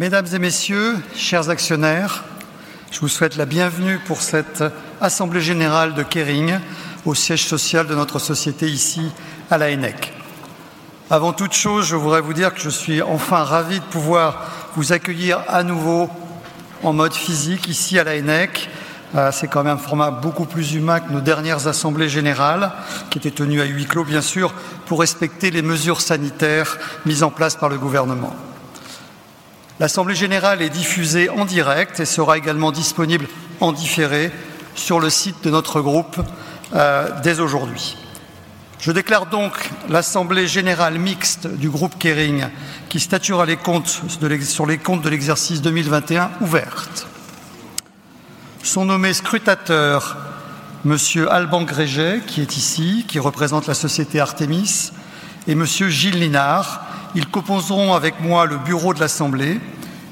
Mesdames et messieurs, chers actionnaires, je vous souhaite la bienvenue pour cette assemblée générale de Kering au siège social de notre société, ici, à la Laennec. Avant toute chose, je voudrais vous dire que je suis enfin ravi de pouvoir vous accueillir à nouveau en mode physique, ici, à la Laennec. C'est quand même un format beaucoup plus humain que nos dernières assemblées générales, qui étaient tenues à huis clos, bien sûr, pour respecter les mesures sanitaires mises en place par le gouvernement. L'assemblée générale est diffusée en direct et sera également disponible en différé sur le site de notre groupe dès aujourd'hui. Je déclare l'assemblée générale mixte du groupe Kering, qui statuera sur les comptes de l'exercice 2021, ouverte. Sont nommés scrutateurs monsieur Alban Gréget, qui est ici, qui représente la société Artémis, et monsieur Gilles Lénard. Ils composeront avec moi le bureau de l'Assemblée.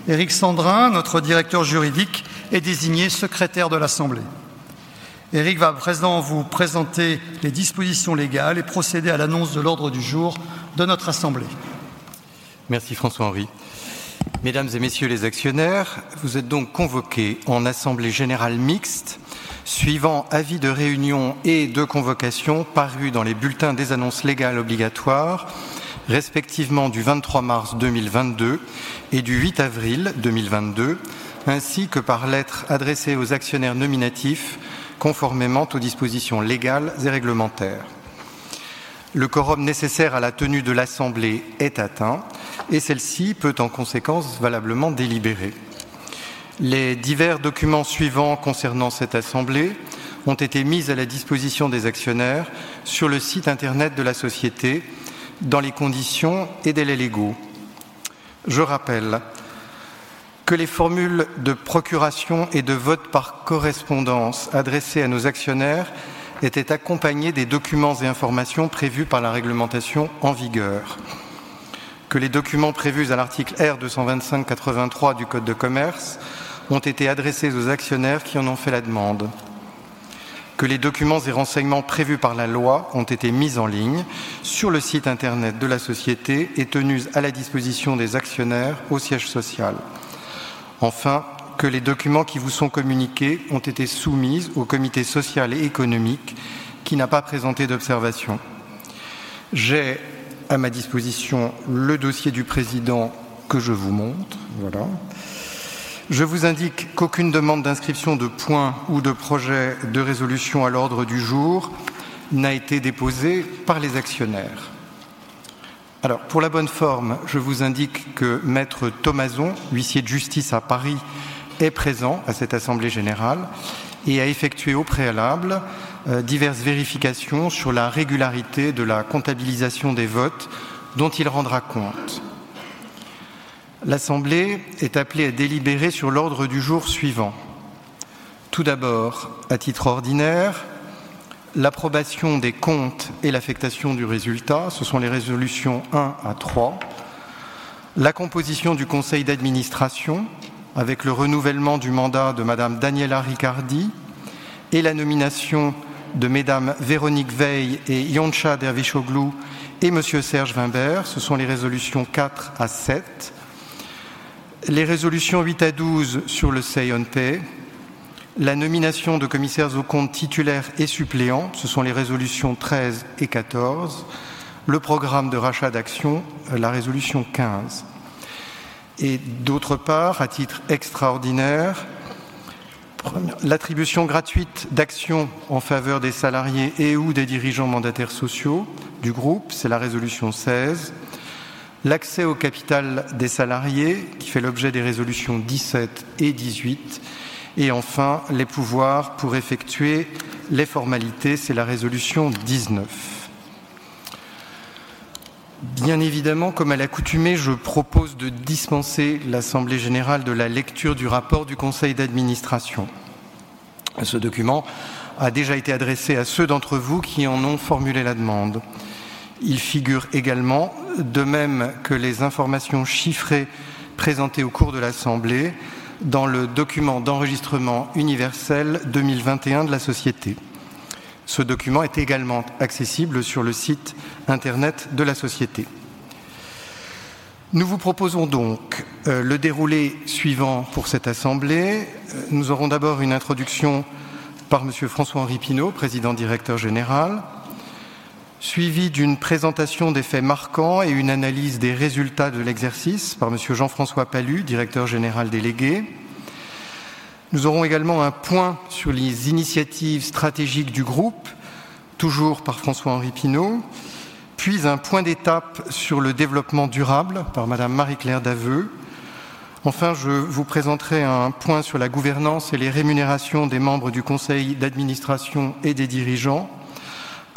Éric Sandrin, notre Directeur juridique, est désigné secrétaire de l'Assemblée. Éric va à présent vous présenter les dispositions légales et procéder à l'annonce de l'ordre du jour de notre assemblée. Merci François-Henri. Mesdames et messieurs les actionnaires, vous êtes donc convoqués en assemblée générale mixte suivant avis de réunion et de convocation parus dans les bulletins des annonces légales obligatoires, respectivement du 23 mars 2022 et du 8 avril 2022, ainsi que par lettre adressée aux actionnaires nominatifs, conformément aux dispositions légales et réglementaires. Le quorum nécessaire à la tenue de l'assemblée est atteint et celle-ci peut en conséquence valablement délibérer. Les divers documents suivants concernant cette assemblée ont été mis à la disposition des actionnaires sur le site Internet de la société, dans les conditions et délais légaux. Je rappelle que les formules de procuration et de vote par correspondance adressées à nos actionnaires étaient accompagnées des documents et informations prévus par la réglementation en vigueur. Que les documents prévus à l'article R. 225-83 du code de commerce ont été adressés aux actionnaires qui en ont fait la demande. Que les documents et renseignements prévus par la loi ont été mis en ligne sur le site Internet de la société et tenus à la disposition des actionnaires au siège social. Enfin, que les documents qui vous sont communiqués ont été soumis au Comité social et économique, qui n'a pas présenté d'observations. J'ai à ma disposition le dossier du président que je vous montre. Voilà. Je vous indique qu'aucune demande d'inscription de points ou de projets de résolution à l'ordre du jour n'a été déposée par les actionnaires. Pour la bonne forme, je vous indique que Maître Thomazo, huissier de justice à Paris, est présent à cette assemblée générale et a effectué au préalable diverses vérifications sur la régularité de la comptabilisation des votes dont il rendra compte. L'Assemblée est appelée à délibérer sur l'ordre du jour suivant. Tout d'abord, à titre ordinaire, l'approbation des comptes et l'affectation du résultat, ce sont les résolutions one à three. La composition du conseil d'administration avec le renouvellement du mandat de madame Daniela Riccardi et la nomination de mesdames Véronique Weill et Yonca Dervişoğlu et monsieur Serge Weinberg. Ce sont les résolutions four à seven. Les résolutions eight à 12 sur le Say on Pay. La nomination de commissaires aux comptes titulaires et suppléants, ce sont les résolutions 13 et 14. Le programme de rachat d'actions, la résolution 15. D'autre part, à titre extraordinaire, l'attribution gratuite d'actions en faveur des salariés et/ou des dirigeants mandataires sociaux du groupe, c'est la résolution 16. L'accès au capital des salariés, qui fait l'objet des résolutions 17 et 18. Enfin, les pouvoirs pour effectuer les formalités, c'est la résolution 19. Bien évidemment, comme à l'accoutumée, je propose de dispenser l'assemblée générale de la lecture du rapport du conseil d'administration. Ce document a déjà été adressé à ceux d'entre vous qui en ont formulé la demande. Il figure également, de même que les informations chiffrées présentées au cours de l'assemblée, dans le document d'enregistrement universel 2021 de la société. Ce document est également accessible sur le site Internet de la société. Nous vous proposons donc le déroulé suivant pour cette assemblée. Nous aurons d'abord une introduction par monsieur François-Henri Pinault, Président-Directeur Général, suivi d'une présentation des faits marquants et une analyse des résultats de l'exercice par monsieur Jean-François Palus, Directeur Général Délégué. Nous aurons également un point sur les initiatives stratégiques du groupe, toujours par François-Henri Pinault, puis un point d'étape sur le développement durable par Madame Marie-Claire Daveu. Je vous présenterai un point sur la gouvernance et les rémunérations des membres du conseil d'administration et des dirigeants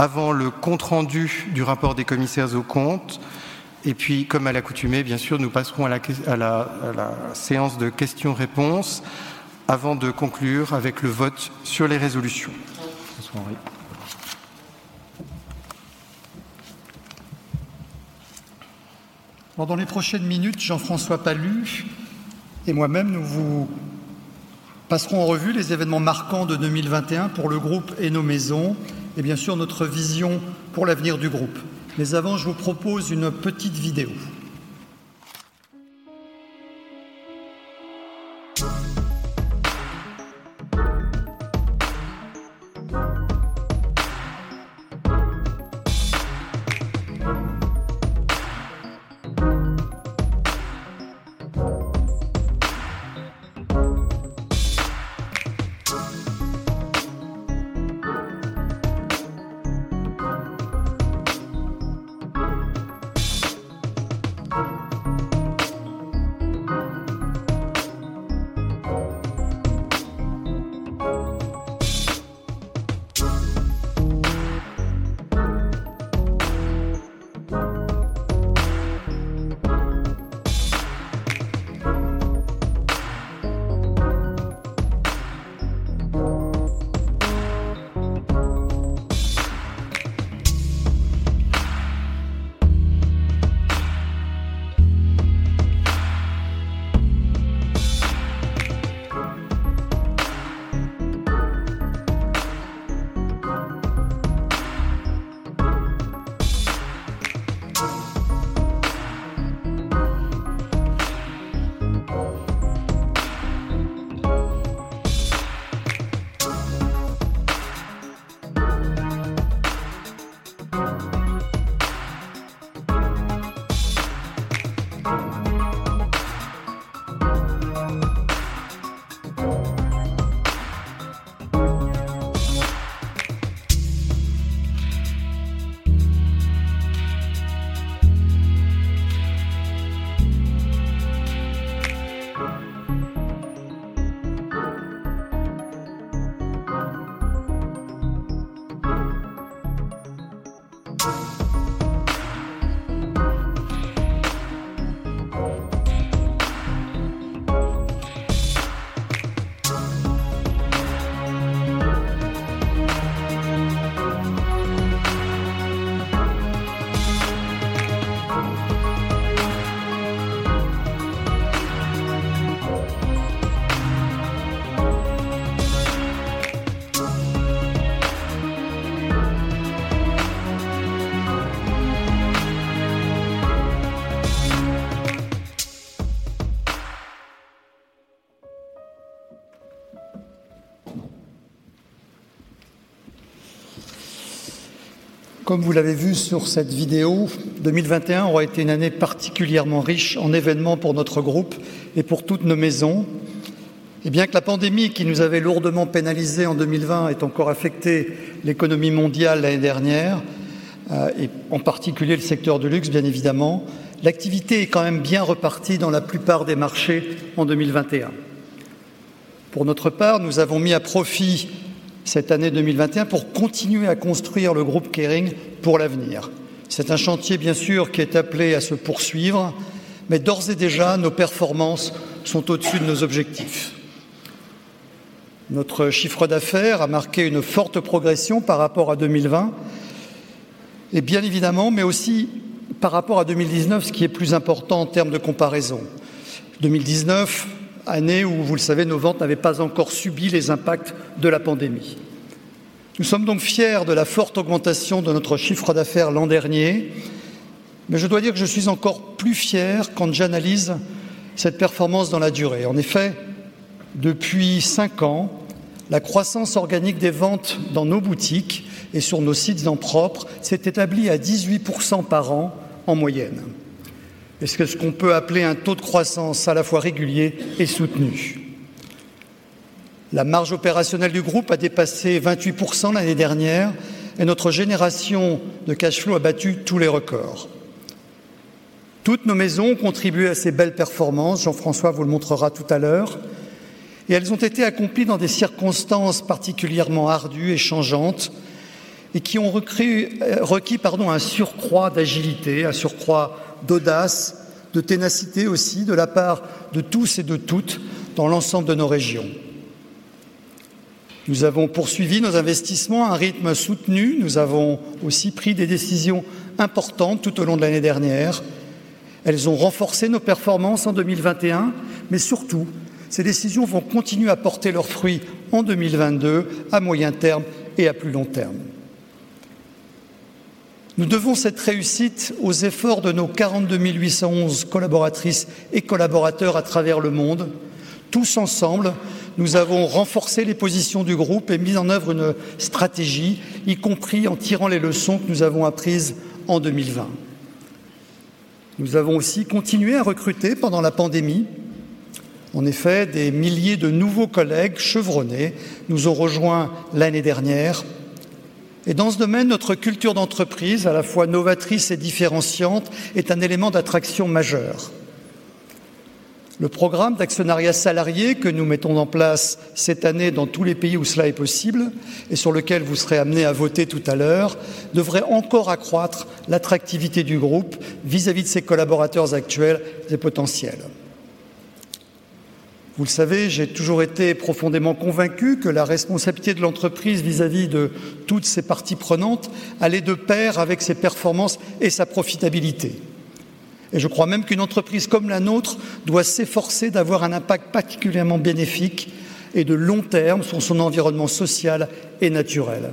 avant le compte-rendu du rapport des commissaires aux comptes. Comme à l'accoutumée, bien sûr, nous passerons à la séance de questions-réponses avant de conclure avec le vote sur les résolutions. François-Henri. Pendant les prochaines minutes, Jean-François Palus et moi-même. Passerons en revue les événements marquants de 2021 pour le groupe et nos maisons et bien sûr, notre vision pour l'avenir du groupe. Avant, je vous propose une petite vidéo. Comme vous l'avez vu sur cette vidéo, 2021 aura été une année particulièrement riche en événements pour notre groupe et pour toutes nos maisons. Bien que la pandémie qui nous avait lourdement pénalisés en 2020 ait encore affecté l'économie mondiale l'année dernière, et en particulier le secteur du luxe, bien évidemment, l'activité est quand même bien repartie dans la plupart des marchés en 2021. Pour notre part, nous avons mis à profit cette année 2021 pour continuer à construire le groupe Kering pour l'avenir. C'est un chantier, bien sûr, qui est appelé à se poursuivre, mais d'ores et déjà, nos performances sont au-dessus de nos objectifs. Notre chiffre d'affaires a marqué une forte progression par rapport à 2020 et bien évidemment, mais aussi par rapport à 2019, ce qui est plus important en termes de comparaison. 2019, année où, vous le savez, nos ventes n'avaient pas encore subi les impacts de la pandemic. Nous sommes fiers de la forte augmentation de notre chiffre d'affaires l'an dernier, mais je dois dire que je suis encore plus fier quand j'analyse cette performance dans la durée. En effet, depuis five years, la croissance organique des ventes dans nos boutiques et sur nos sites en propre s'est établie à 18% par an en moyenne. Ce qu'on peut appeler un taux de croissance à la fois régulier et soutenu. La marge opérationnelle du groupe a dépassé 28% l'année dernière et notre génération de cash flow a battu tous les records. Toutes nos maisons ont contribué à ces belles performances, Jean-François vous le montrera tout à l'heure, elles ont été accomplies dans des circonstances particulièrement ardues et changeantes et qui ont requis, pardon, un surcroît d'agilité, un surcroît d'audace, de ténacité aussi de la part de tous et de toutes dans l'ensemble de nos régions. Nous avons poursuivi nos investissements à un rythme soutenu. Nous avons aussi pris des décisions importantes tout au long de l'année dernière. Elles ont renforcé nos performances en 2021, surtout, ces décisions vont continuer à porter leurs fruits en 2022, à moyen terme et à plus long terme. Nous devons cette réussite aux efforts de nos 42,811 collaboratrices et collaborateurs à travers le monde. Tous ensemble, nous avons renforcé les positions du groupe et mis en œuvre une stratégie, y compris en tirant les leçons que nous avons apprises en 2020. Nous avons aussi continué à recruter pendant la pandémie. En effet, des milliers de nouveaux collègues chevronnés nous ont rejoints l'année dernière. Dans ce domaine, notre culture d'entreprise, à la fois novatrice et différenciante, est un élément d'attraction majeur. Le programme d'actionnariat salarié que nous mettons en place cette année dans tous les pays où cela est possible et sur lequel vous serez amenés à voter tout à l'heure, devrait encore accroître l'attractivité du groupe vis-à-vis de ses collaborateurs actuels et potentiels. Vous le savez, j'ai toujours été profondément convaincu que la responsabilité de l'entreprise vis-à-vis de toutes ses parties prenantes allait de pair avec ses performances et sa profitabilité. Je crois même qu'une entreprise comme la nôtre doit s'efforcer d'avoir un impact particulièrement bénéfique et de long terme sur son environnement social et naturel.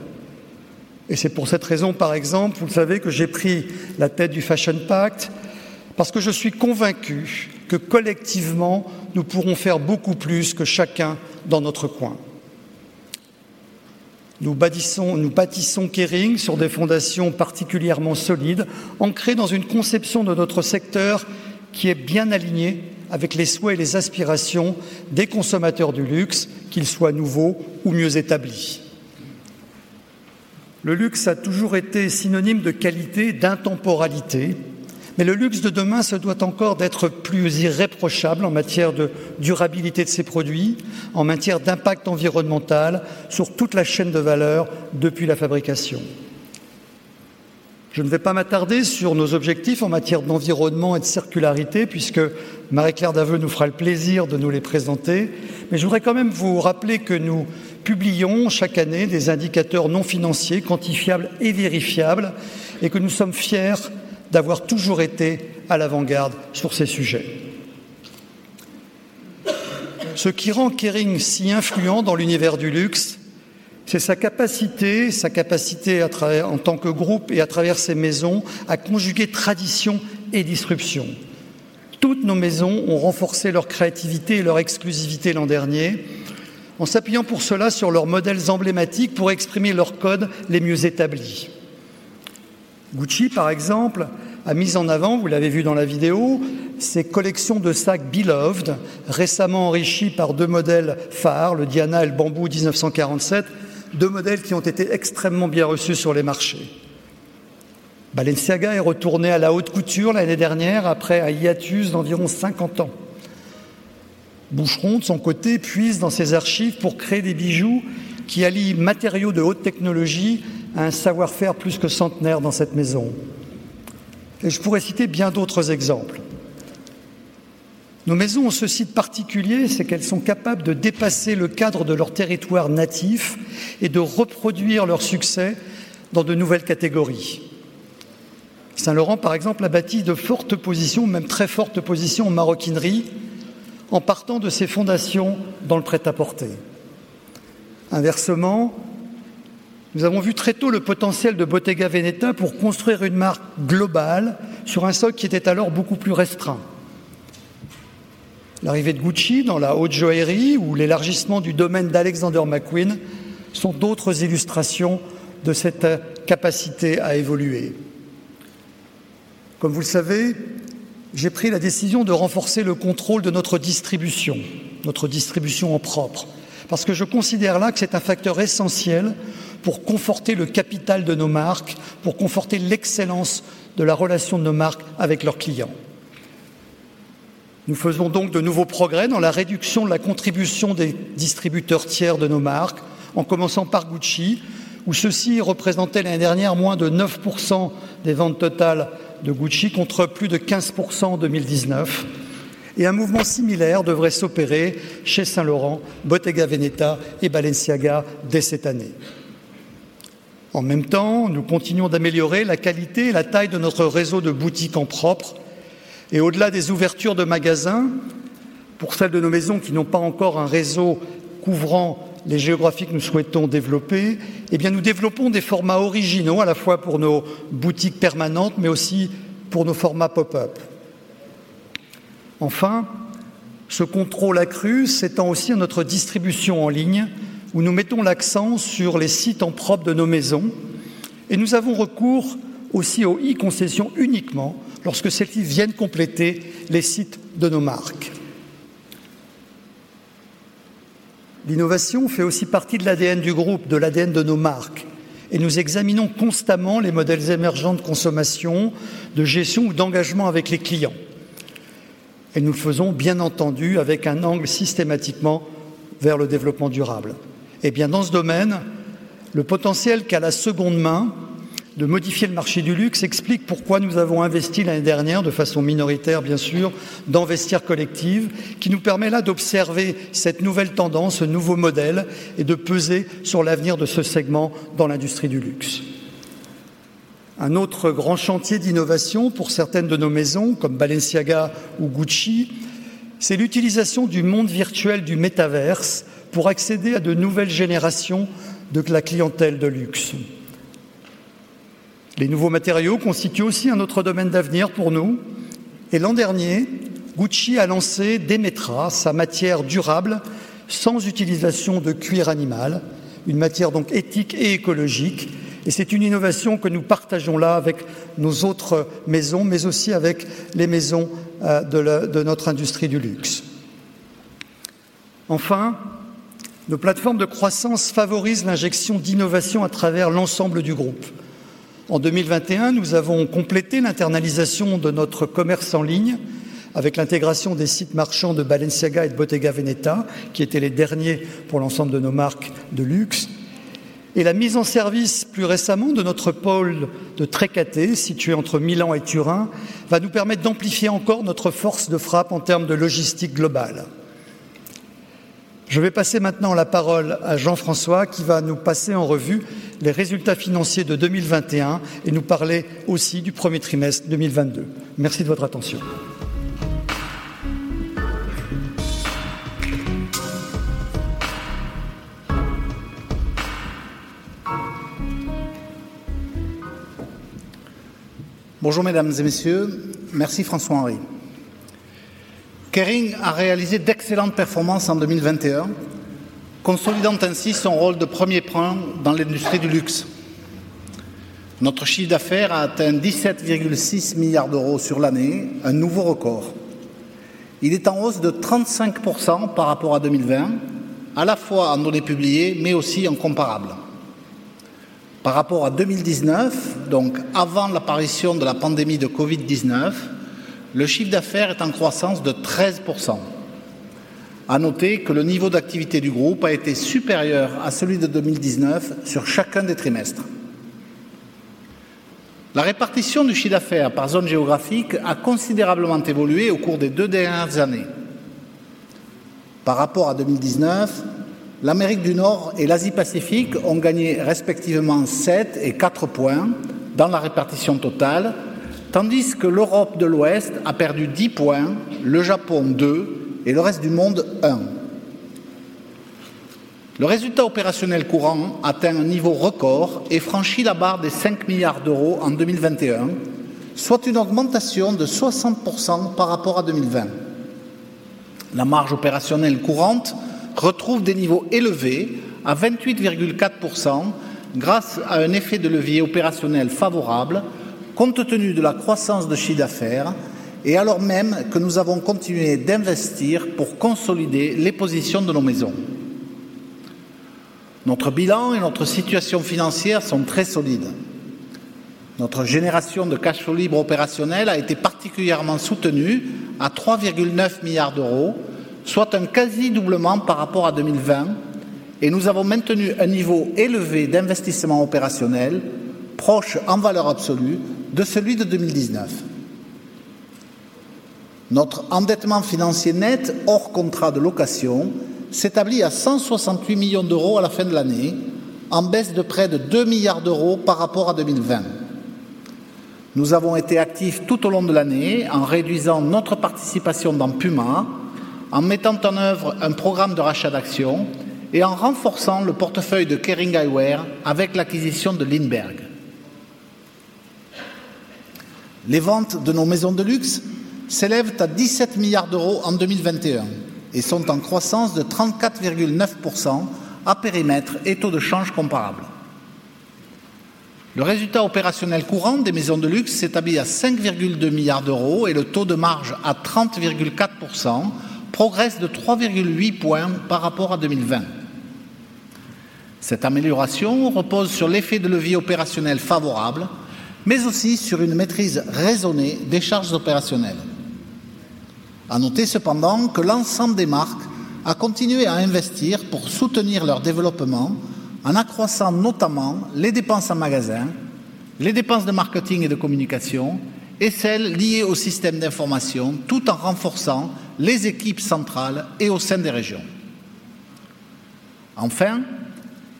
C'est pour cette raison, par exemple, vous le savez, que j'ai pris la tête du Fashion Pact, parce que je suis convaincu que collectivement, nous pourrons faire beaucoup plus que chacun dans notre coin. Nous bâtissons Kering sur des fondations particulièrement solides, ancrées dans une conception de notre secteur qui est bien alignée avec les souhaits et les aspirations des consommateurs du luxe, qu'ils soient nouveaux ou mieux établis. Le luxe a toujours été synonyme de qualité, d'intemporalité, le luxe de demain se doit encore d'être plus irréprochable en matière de durabilité de ses produits, en matière d'impact environnemental sur toute la chaîne de valeur depuis la fabrication. Je ne vais pas m'attarder sur nos objectifs en matière d'environnement et de circularité puisque Marie-Claire Daveu nous fera le plaisir de nous les présenter. Je voudrais quand même vous rappeler que nous publions chaque année des indicateurs non financiers quantifiables et vérifiables et que nous sommes fiers d'avoir toujours été à l'avant-garde sur ces sujets. Ce qui rend Kering si influent dans l'univers du luxe, c'est sa capacité à travers, en tant que groupe et à travers ses maisons, à conjuguer tradition et disruption. Toutes nos maisons ont renforcé leur créativité et leur exclusivité l'an dernier, en s'appuyant pour cela sur leurs modèles emblématiques pour exprimer leurs codes les mieux établis. Gucci, par exemple, a mis en avant, vous l'avez vu dans la vidéo, ses collections de sacs Beloved, récemment enrichis par deux modèles phares, le Diana et le Bambou 1947, deux modèles qui ont été extrêmement bien reçus sur les marchés. Balenciaga est retourné à la haute couture l'année dernière après un hiatus d'environ 50 ans. Boucheron, de son côté, puise dans ses archives pour créer des bijoux qui allient matériaux de haute technologie à un savoir-faire plus que centenaire dans cette maison. Et je pourrais citer bien d'autres exemples. Nos maisons ont ce site particulier, c'est qu'elles sont capables de dépasser le cadre de leur territoire natif et de reproduire leur succès dans de nouvelles catégories. Saint Laurent, par exemple, a bâti de fortes positions, même très fortes positions en maroquinerie, en partant de ses fondations dans le prêt-à-porter. Inversement, nous avons vu très tôt le potentiel de Bottega Veneta pour construire une marque globale sur un socle qui était alors beaucoup plus restreint. L'arrivée de Gucci dans la haute joaillerie ou l'élargissement du domaine d'Alexander McQueen sont d'autres illustrations de cette capacité à évoluer. Comme vous le savez, j'ai pris la décision de renforcer le contrôle de notre distribution, notre distribution en propre, parce que je considère là que c'est un facteur essentiel pour conforter le capital de nos marques, pour conforter l'excellence de la relation de nos marques avec leurs clients. Nous faisons de nouveaux progrès dans la réduction de la contribution des distributeurs tiers de nos marques, en commençant par Gucci, où ceux-ci représentaient l'année dernière moins de 9% des ventes totales de Gucci, contre plus de 15% en 2019. Un mouvement similaire devrait s'opérer chez Saint Laurent, Bottega Veneta et Balenciaga dès cette année. En même temps, nous continuons d'améliorer la qualité et la taille de notre réseau de boutiques en propre. Au-delà des ouvertures de magasins, pour celles de nos maisons qui n'ont pas encore un réseau couvrant les géographiques que nous souhaitons développer, eh bien nous développons des formats originaux à la fois pour nos boutiques permanentes, mais aussi pour nos formats pop-up. Ce contrôle accru s'étend aussi à notre distribution en ligne, où nous mettons l'accent sur les sites en propre de nos maisons. Nous avons recours aussi aux e-concessions uniquement lorsque celles-ci viennent compléter les sites de nos marques. L'innovation fait aussi partie de l'ADN du groupe, de l'ADN de nos marques, et nous examinons constamment les modèles émergents de consommation, de gestion ou d'engagement avec les clients. Nous le faisons bien entendu avec un angle systématiquement vers le développement durable. Dans ce domaine, le potentiel qu'a la seconde main de modifier le marché du luxe explique pourquoi nous avons investi l'année dernière, de façon minoritaire bien sûr, dans Vestiaire Collective, qui nous permet là d'observer cette nouvelle tendance, ce nouveau modèle, et de peser sur l'avenir de ce segment dans l'industrie du luxe. Un autre grand chantier d'innovation pour certaines de nos maisons, comme Balenciaga ou Gucci, c'est l'utilisation du monde virtuel du métaverse pour accéder à de nouvelles générations de la clientèle de luxe. Les nouveaux matériaux constituent aussi un autre domaine d'avenir pour nous. L'an dernier, Gucci a lancé Demetra, sa matière durable, sans utilisation de cuir animal, une matière donc éthique et écologique. C'est une innovation que nous partageons là avec nos autres maisons, mais aussi avec les maisons de notre industrie du luxe. Enfin, nos plateformes de croissance favorisent l'injection d'innovations à travers l'ensemble du groupe. En 2021, nous avons complété l'internalisation de notre commerce en ligne avec l'intégration des sites marchands de Balenciaga et de Bottega Veneta, qui étaient les derniers pour l'ensemble de nos marques de luxe. La mise en service plus récemment de notre pôle de Trecate, situé entre Milan et Turin, va nous permettre d'amplifier encore notre force de frappe en termes de logistique globale. Je vais passer maintenant la parole à Jean-François, qui va nous passer en revue les résultats financiers de 2021 et nous parler aussi du premier trimestre 2022. Merci de votre attention. Bonjour Mesdames et Messieurs. Merci François-Henri. Kering a réalisé d'excellentes performances en 2021, consolidant ainsi son rôle de premier plan dans l'industrie du luxe. Notre chiffre d'affaires a atteint 17.6 billion sur l'année, un nouveau record. Il est en hausse de 35% par rapport à 2020, à la fois en audité publié, mais aussi en comparable. Par rapport à 2019, donc avant l'apparition de la pandémie de COVID-19, le chiffre d'affaires est en croissance de 13%. À noter que le niveau d'activité du groupe a été supérieur à celui de 2019 sur chacun des trimestres. La répartition du chiffre d'affaires par zone géographique a considérablement évolué au cours des two dernières années. Par rapport à 2019, l'Amérique du Nord et l'Asie-Pacifique ont gagné respectivement 7 et 4 points dans la répartition totale, tandis que l'Europe de l'Ouest a perdu 10 points, le Japon two et le reste du monde one. Le résultat opérationnel courant atteint un niveau record et franchit la barre des 5 billion en 2021, soit une augmentation de 60% par rapport à 2020. La marge opérationnelle courante retrouve des niveaux élevés à 28.4% grâce à un effet de levier opérationnel favorable compte tenu de la croissance de chiffre d'affaires et alors même que nous avons continué d'investir pour consolider les positions de nos maisons. Notre bilan et notre situation financière sont très solides. Notre génération de cash flow libre opérationnel a été particulièrement soutenue à 3.9 billion, soit un quasi doublement par rapport à 2020. Nous avons maintenu un niveau élevé d'investissement opérationnel proche, en valeur absolue, de celui de 2019. Notre endettement financier net, hors contrat de location, s'établit à 168 million à la fin de l'année, en baisse de près de 2 billion par rapport à 2020. Nous avons été actifs tout au long de l'année en réduisant notre participation dans Puma, en mettant en œuvre un programme de rachat d'actions et en renforçant le portefeuille de Kering Eyewear avec l'acquisition de LINDBERG. Les ventes de nos maisons de luxe s'élèvent à 17 billion en 2021 et sont en croissance de 34.9% à périmètre et taux de change comparables. Le résultat opérationnel courant des maisons de luxe s'établit à 5.2 billion et le taux de marge à 30.4% progresse de 3.8 points par rapport à 2020. Cette amélioration repose sur l'effet de levier opérationnel favorable, mais aussi sur une maîtrise raisonnée des charges opérationnelles. À noter cependant que l'ensemble des marques a continué à investir pour soutenir leur développement en accroissant notamment les dépenses en magasins, les dépenses de marketing et de communication et celles liées aux systèmes d'information tout en renforçant les équipes centrales et au sein des régions.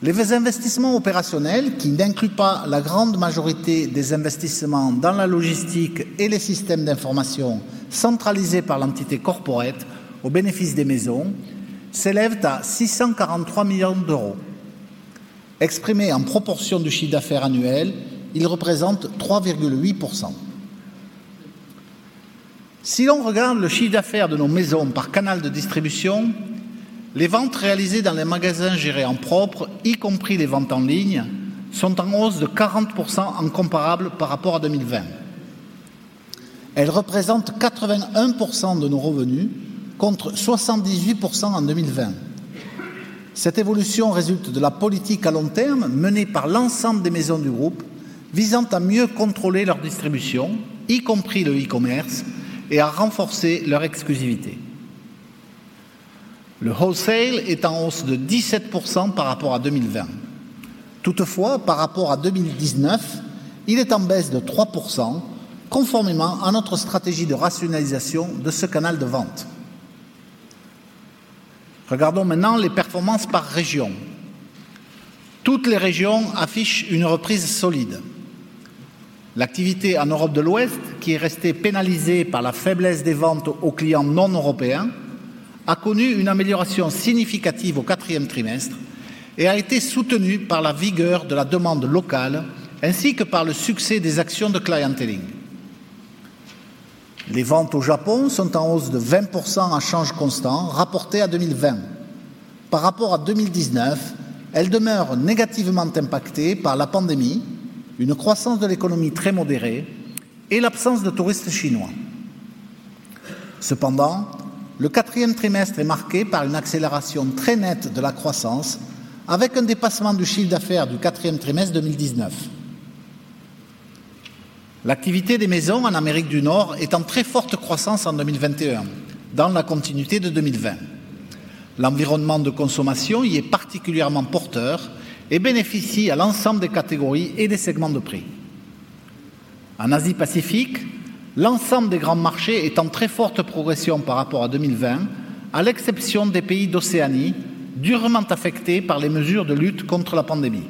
Les investissements opérationnels, qui n'incluent pas la grande majorité des investissements dans la logistique et les systèmes d'information centralisés par l'entité Corporate au bénéfice des maisons, s'élèvent à 643 million. Exprimés en proportion du chiffre d'affaires annuel, ils représentent 3.8%. L'on regarde le chiffre d'affaires de nos maisons par canal de distribution, les ventes réalisées dans les magasins gérés en propre, y compris les ventes en ligne, sont en hausse de 40% en comparable par rapport à 2020. Elles représentent 81% de nos revenus, contre 78% en 2020. Cette évolution résulte de la politique à long terme menée par l'ensemble des maisons du groupe visant à mieux contrôler leur distribution, y compris le e-commerce, et à renforcer leur exclusivité. Le wholesale est en hausse de 17% par rapport à 2020. Par rapport à 2019, il est en baisse de 3%, conformément à notre stratégie de rationalisation de ce canal de vente. Regardons maintenant les performances par région. Toutes les régions affichent une reprise solide. L'activité en Europe de l'Ouest, qui est restée pénalisée par la faiblesse des ventes aux clients non européens, a connu une amélioration significative au fourth quarter et a été soutenue par la vigueur de la demande locale ainsi que par le succès des actions de clienteling. Les ventes au Japon sont en hausse de 20% à change constant rapporté à 2020. Par rapport à 2019, elles demeurent négativement impactées par la pandemic, une croissance de l'économie très modérée et l'absence de touristes chinois. Cependant, le fourth quarter est marqué par une accélération très nette de la croissance avec un dépassement du chiffre d'affaires du fourth quarter 2019. L'activité des maisons en Amérique du Nord est en très forte croissance en 2021, dans la continuité de 2020. L'environnement de consommation y est particulièrement porteur et bénéficie à l'ensemble des catégories et des segments de prix. En Asie-Pacifique, l'ensemble des grands marchés est en très forte progression par rapport à 2020, à l'exception des pays d'Océanie, durement affectés par les mesures de lutte contre la pandémie.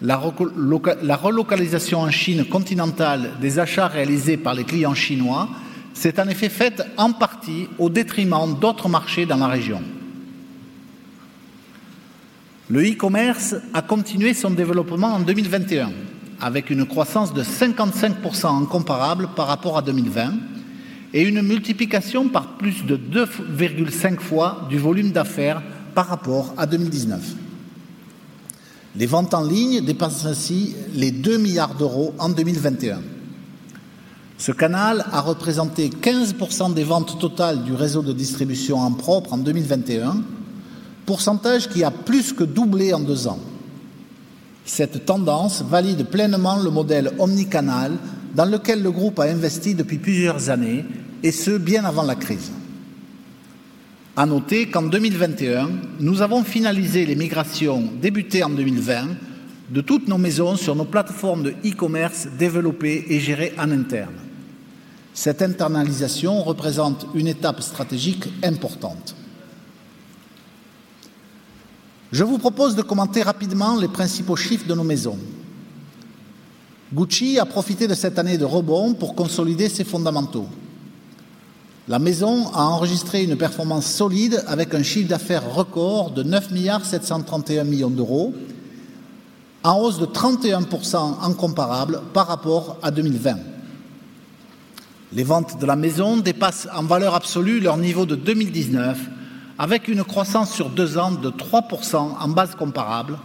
La relocalisation en Chine continentale des achats réalisés par les clients chinois s'est en effet faite en partie au détriment d'autres marchés dans la région. Le e-commerce a continué son développement en 2021, avec une croissance de 55% incomparable par rapport à 2020 et une multiplication par plus de 2.5x du volume d'affaires par rapport à 2019. Les ventes en ligne dépassent les 2 billion en 2021. Ce canal a représenté 15% des ventes totales du réseau de distribution en propre en 2021, pourcentage qui a plus que doublé en two years. Cette tendance valide pleinement le modèle omnicanal dans lequel le groupe a investi depuis plusieurs années, et ce, bien avant la crise. À noter qu'en 2021, nous avons finalisé les migrations débutées en 2020 de toutes nos maisons sur nos plateformes de e-commerce développées et gérées en interne. Cette internalisation représente une étape stratégique importante. Je vous propose de commenter rapidement les principaux chiffres de nos maisons. Gucci a profité de cette année de rebond pour consolider ses fondamentaux. La Maison a enregistré une performance solide avec un chiffre d'affaires record de 9.731 billion, en hausse de 31% en comparable par rapport à 2020. Les ventes de la maison dépassent en valeur absolue leur niveau de 2019, avec une croissance sur deux ans de 3% en base comparable,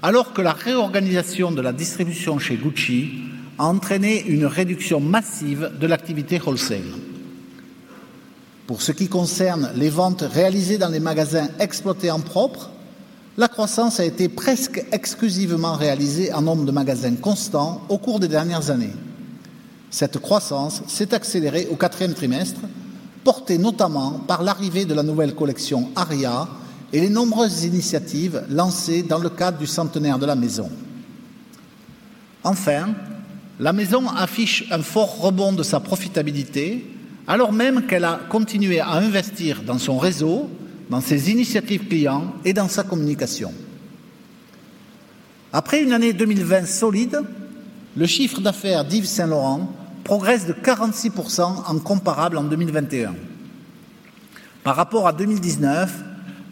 alors que la réorganisation de la distribution chez Gucci a entraîné une réduction massive de l'activité wholesale. Pour ce qui concerne les ventes réalisées dans les magasins exploités en propre, la croissance a été presque exclusivement réalisée en nombre de magasins constants au cours des dernières années. Cette croissance s'est accélérée au quatrième trimestre, portée notamment par l'arrivée de la nouvelle collection Aria et les nombreuses initiatives lancées dans le cadre du centenaire de la maison. Enfin, la maison affiche un fort rebond de sa profitabilité alors même qu'elle a continué à investir dans son réseau, dans ses initiatives clients et dans sa communication. Après une année 2020 solide, le chiffre d'affaires d'Yves Saint Laurent progresse de 46% en comparable en 2021. Par rapport à 2019,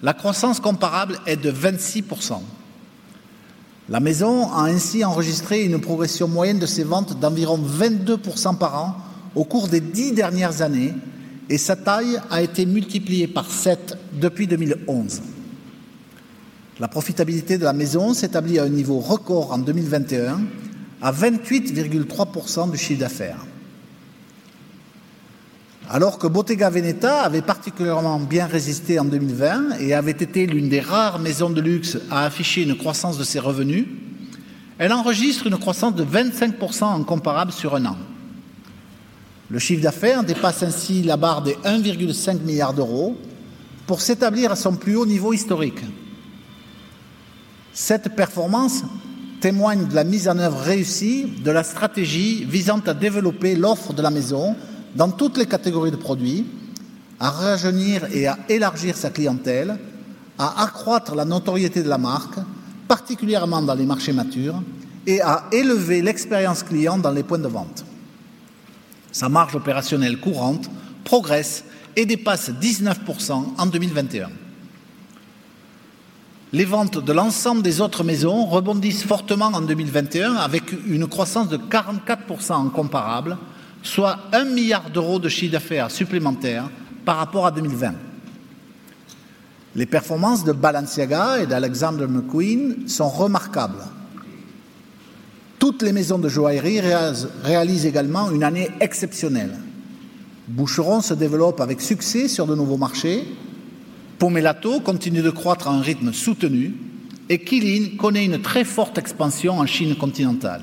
la croissance comparable est de 26%. La maison a ainsi enregistré une progression moyenne de ses ventes d'environ 22% par an au cours des 10 dernières années et sa taille a été multipliée par seven depuis 2011. La profitabilité de la maison s'établit à un niveau record en 2021, à 28.3% du chiffre d'affaires. Bottega Veneta avait particulièrement bien résisté en 2020 et avait été l'une des rares maisons de luxe à afficher une croissance de ses revenus, elle enregistre une croissance de 25% incomparable sur un an. Le chiffre d'affaires dépasse ainsi la barre des 1.5 billion pour s'établir à son plus haut niveau historique. Cette performance témoigne de la mise en œuvre réussie de la stratégie visant à développer l'offre de la maison dans toutes les catégories de produits, à rajeunir et à élargir sa clientèle, à accroître la notoriété de la marque, particulièrement dans les marchés matures, et à élever l'expérience client dans les points de vente. Sa marge opérationnelle courante progresse et dépasse 19% en 2021. Les ventes de l'ensemble des autres maisons rebondissent fortement en 2021, avec une croissance de 44% comparable, soit 1 billion de chiffre d'affaires supplémentaire par rapport à 2020. Les performances de Balenciaga et d'Alexander McQueen sont remarquables. Toutes les maisons de joaillerie réalisent également une année exceptionnelle. Boucheron se développe avec succès sur de nouveaux marchés, Pomellato continue de croître à un rythme soutenu et Qeelin connaît une très forte expansion en Chine continentale.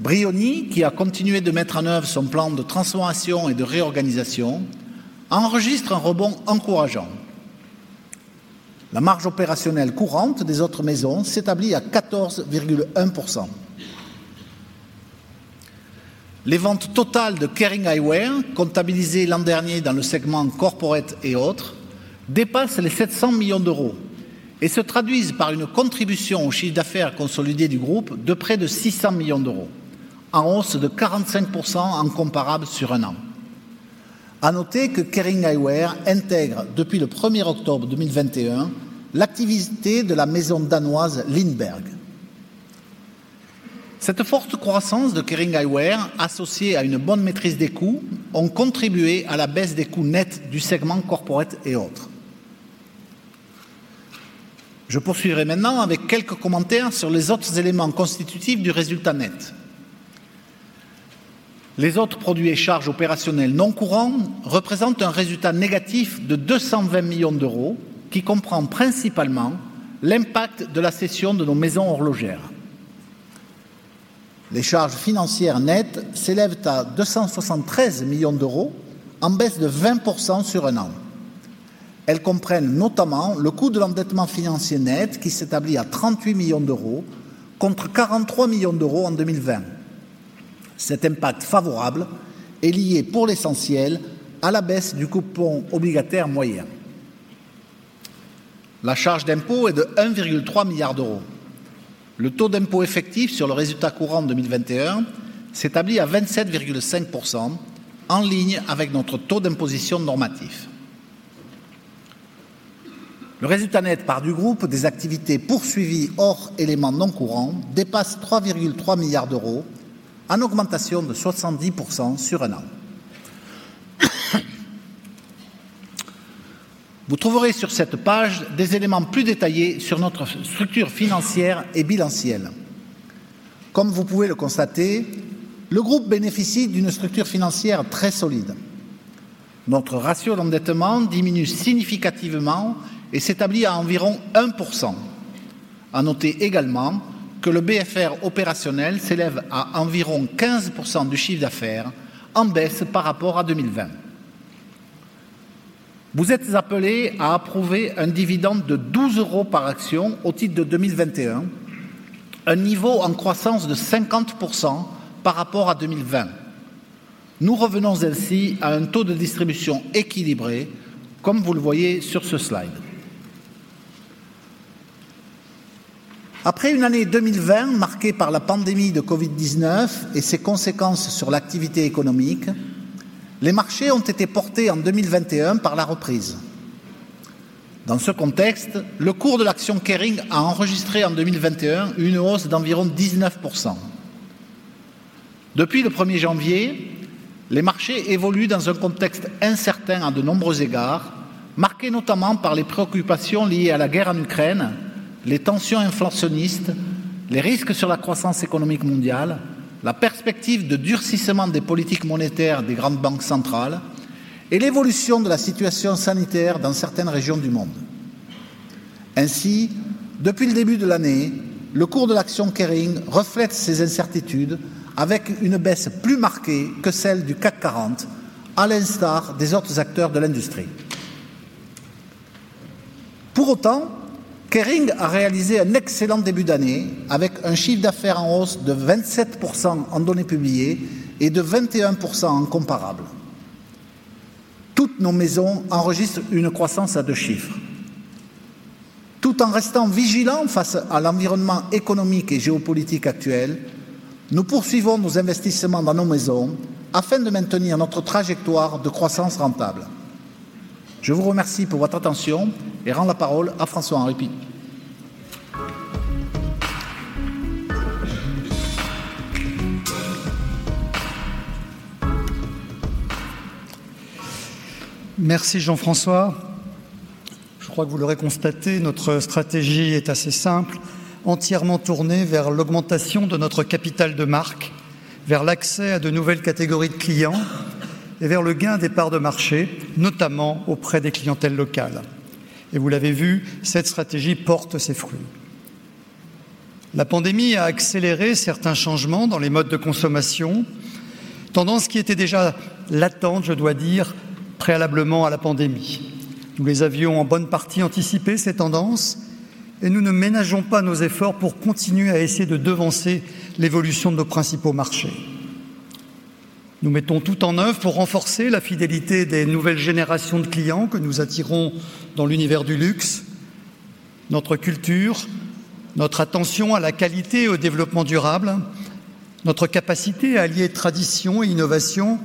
Brioni, qui a continué de mettre en œuvre son plan de transformation et de réorganisation, enregistre un rebond encourageant. La marge opérationnelle courante des autres maisons s'établit à 14.1%. Les ventes totales de Kering Eyewear, comptabilisées l'an dernier dans le segment Corporate et autres, dépassent les 700 million et se traduisent par une contribution au chiffre d'affaires consolidé du groupe de près de 600 million, en hausse de 45% en comparable sur un an. À noter que Kering Eyewear intègre depuis le October 1, 2021 l'activité de la maison danoise LINDBERG. Cette forte croissance de Kering Eyewear, associée à une bonne maîtrise des coûts, ont contribué à la baisse des coûts nets du segment Corporate et autres. Je poursuivrai maintenant avec quelques commentaires sur les autres éléments constitutifs du résultat net. Les autres produits et charges opérationnelles non courants représentent un résultat négatif de 220 million qui comprend principalement l'impact de la cession de nos maisons horlogères. Les charges financières nettes s'élèvent à 273 million, en baisse de 20% sur un an. Elles comprennent notamment le coût de l'endettement financier net qui s'établit à 38 million, contre 43 million en 2020. Cet impact favorable est lié pour l'essentiel à la baisse du coupon obligataire moyen. La charge d'impôt est de 1.3 billion. Le taux d'impôt effectif sur le résultat courant 2021 s'établit à 27.5%, en ligne avec notre taux d'imposition normatif. Le résultat net part du groupe des activités poursuivies hors éléments non courants dépasse 3.3 billion, en augmentation de 70% sur un an. Vous trouverez sur cette page des éléments plus détaillés sur notre structure financière et bilantielle. Comme vous pouvez le constater, le groupe bénéficie d'une structure financière très solide. Notre ratio d'endettement diminue significativement et s'établit à environ 1%. À noter également que le BFR opérationnel s'élève à environ 15% du chiffre d'affaires, en baisse par rapport à 2020. Vous êtes appelés à approuver un dividende de 12 euros par action au titre de 2021, un niveau en croissance de 50% par rapport à 2020. Nous revenons ainsi à un taux de distribution équilibré, comme vous le voyez sur ce slide. Après une année 2020 marquée par la pandémie de COVID-19 et ses conséquences sur l'activité économique, les marchés ont été portés en 2021 par la reprise. Dans ce contexte, le cours de l'action Kering a enregistré en 2021 une hausse d'environ 19%. Depuis le premier janvier, les marchés évoluent dans un contexte incertain à de nombreux égards, marqué notamment par les préoccupations liées à la guerre en Ukraine, les tensions inflationnistes, les risques sur la croissance économique mondiale, la perspective de durcissement des politiques monétaires des grandes banques centrales et l'évolution de la situation sanitaire dans certaines régions du monde. Ainsi, depuis le début de l'année, le cours de l'action Kering reflète ces incertitudes avec une baisse plus marquée que celle du CAC 40, à l'instar des autres acteurs de l'industrie. Pour autant, Kering a réalisé un excellent début d'année avec un chiffre d'affaires en hausse de 27% en données publiées et de 21% en comparables. Toutes nos maisons enregistrent une croissance à deux chiffres. Tout en restant vigilants face à l'environnement économique et géopolitique actuel, nous poursuivons nos investissements dans nos maisons afin de maintenir notre trajectoire de croissance rentable. Je vous remercie pour votre attention et rends la parole à François-Henri Pinault. Merci Jean-François. Je crois que vous l'aurez constaté, notre stratégie est assez simple, entièrement tournée vers l'augmentation de notre capital de marque, vers l'accès à de nouvelles catégories de clients et vers le gain des parts de marché, notamment auprès des clientèles locales. Vous l'avez vu, cette stratégie porte ses fruits. La pandémie a accéléré certains changements dans les modes de consommation, tendance qui était déjà latente, je dois dire, préalablement à la pandémie. Nous les avions en bonne partie anticipé, ces tendances, et nous ne ménageons pas nos efforts pour continuer à essayer de devancer l'évolution de nos principaux marchés. Nous mettons tout en œuvre pour renforcer la fidélité des nouvelles générations de clients que nous attirons dans l'univers du luxe. Notre culture, notre attention à la qualité et au développement durable, notre capacité à allier tradition et innovation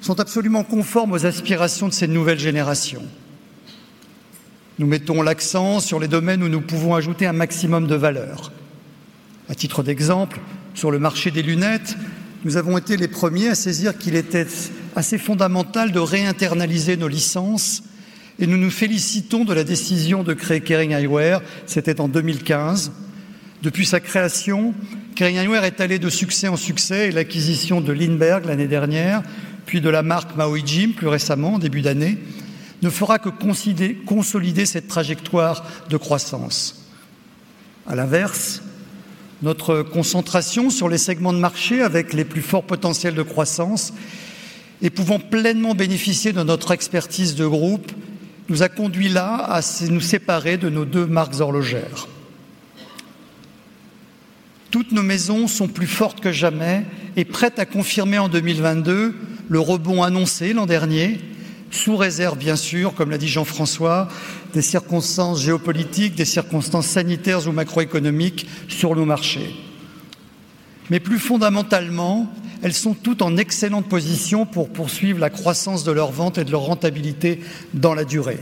sont absolument conformes aux aspirations de ces nouvelles générations. Nous mettons l'accent sur les domaines où nous pouvons ajouter un maximum de valeur. À titre d'exemple, sur le marché des lunettes, nous avons été les premiers à saisir qu'il était assez fondamental de réinternaliser nos licences et nous nous félicitons de la décision de créer Kering Eyewear, c'était en 2015. Depuis sa création, Kering Eyewear est allée de succès en succès et l'acquisition de LINDBERG l'année dernière, puis de la marque Maui Jim plus récemment en début d'année, ne fera que consolider cette trajectoire de croissance. À l'inverse, notre concentration sur les segments de marché avec les plus forts potentiels de croissance et pouvant pleinement bénéficier de notre expertise de groupe nous a conduit là à nous séparer de nos deux marques horlogères. Toutes nos maisons sont plus fortes que jamais et prêtes à confirmer en 2022 le rebond annoncé l'an dernier, sous réserve bien sûr, comme l'a dit Jean-François, des circonstances géopolitiques, des circonstances sanitaires ou macroéconomiques sur nos marchés. Plus fondamentalement, elles sont toutes en excellente position pour poursuivre la croissance de leurs ventes et de leur rentabilité dans la durée.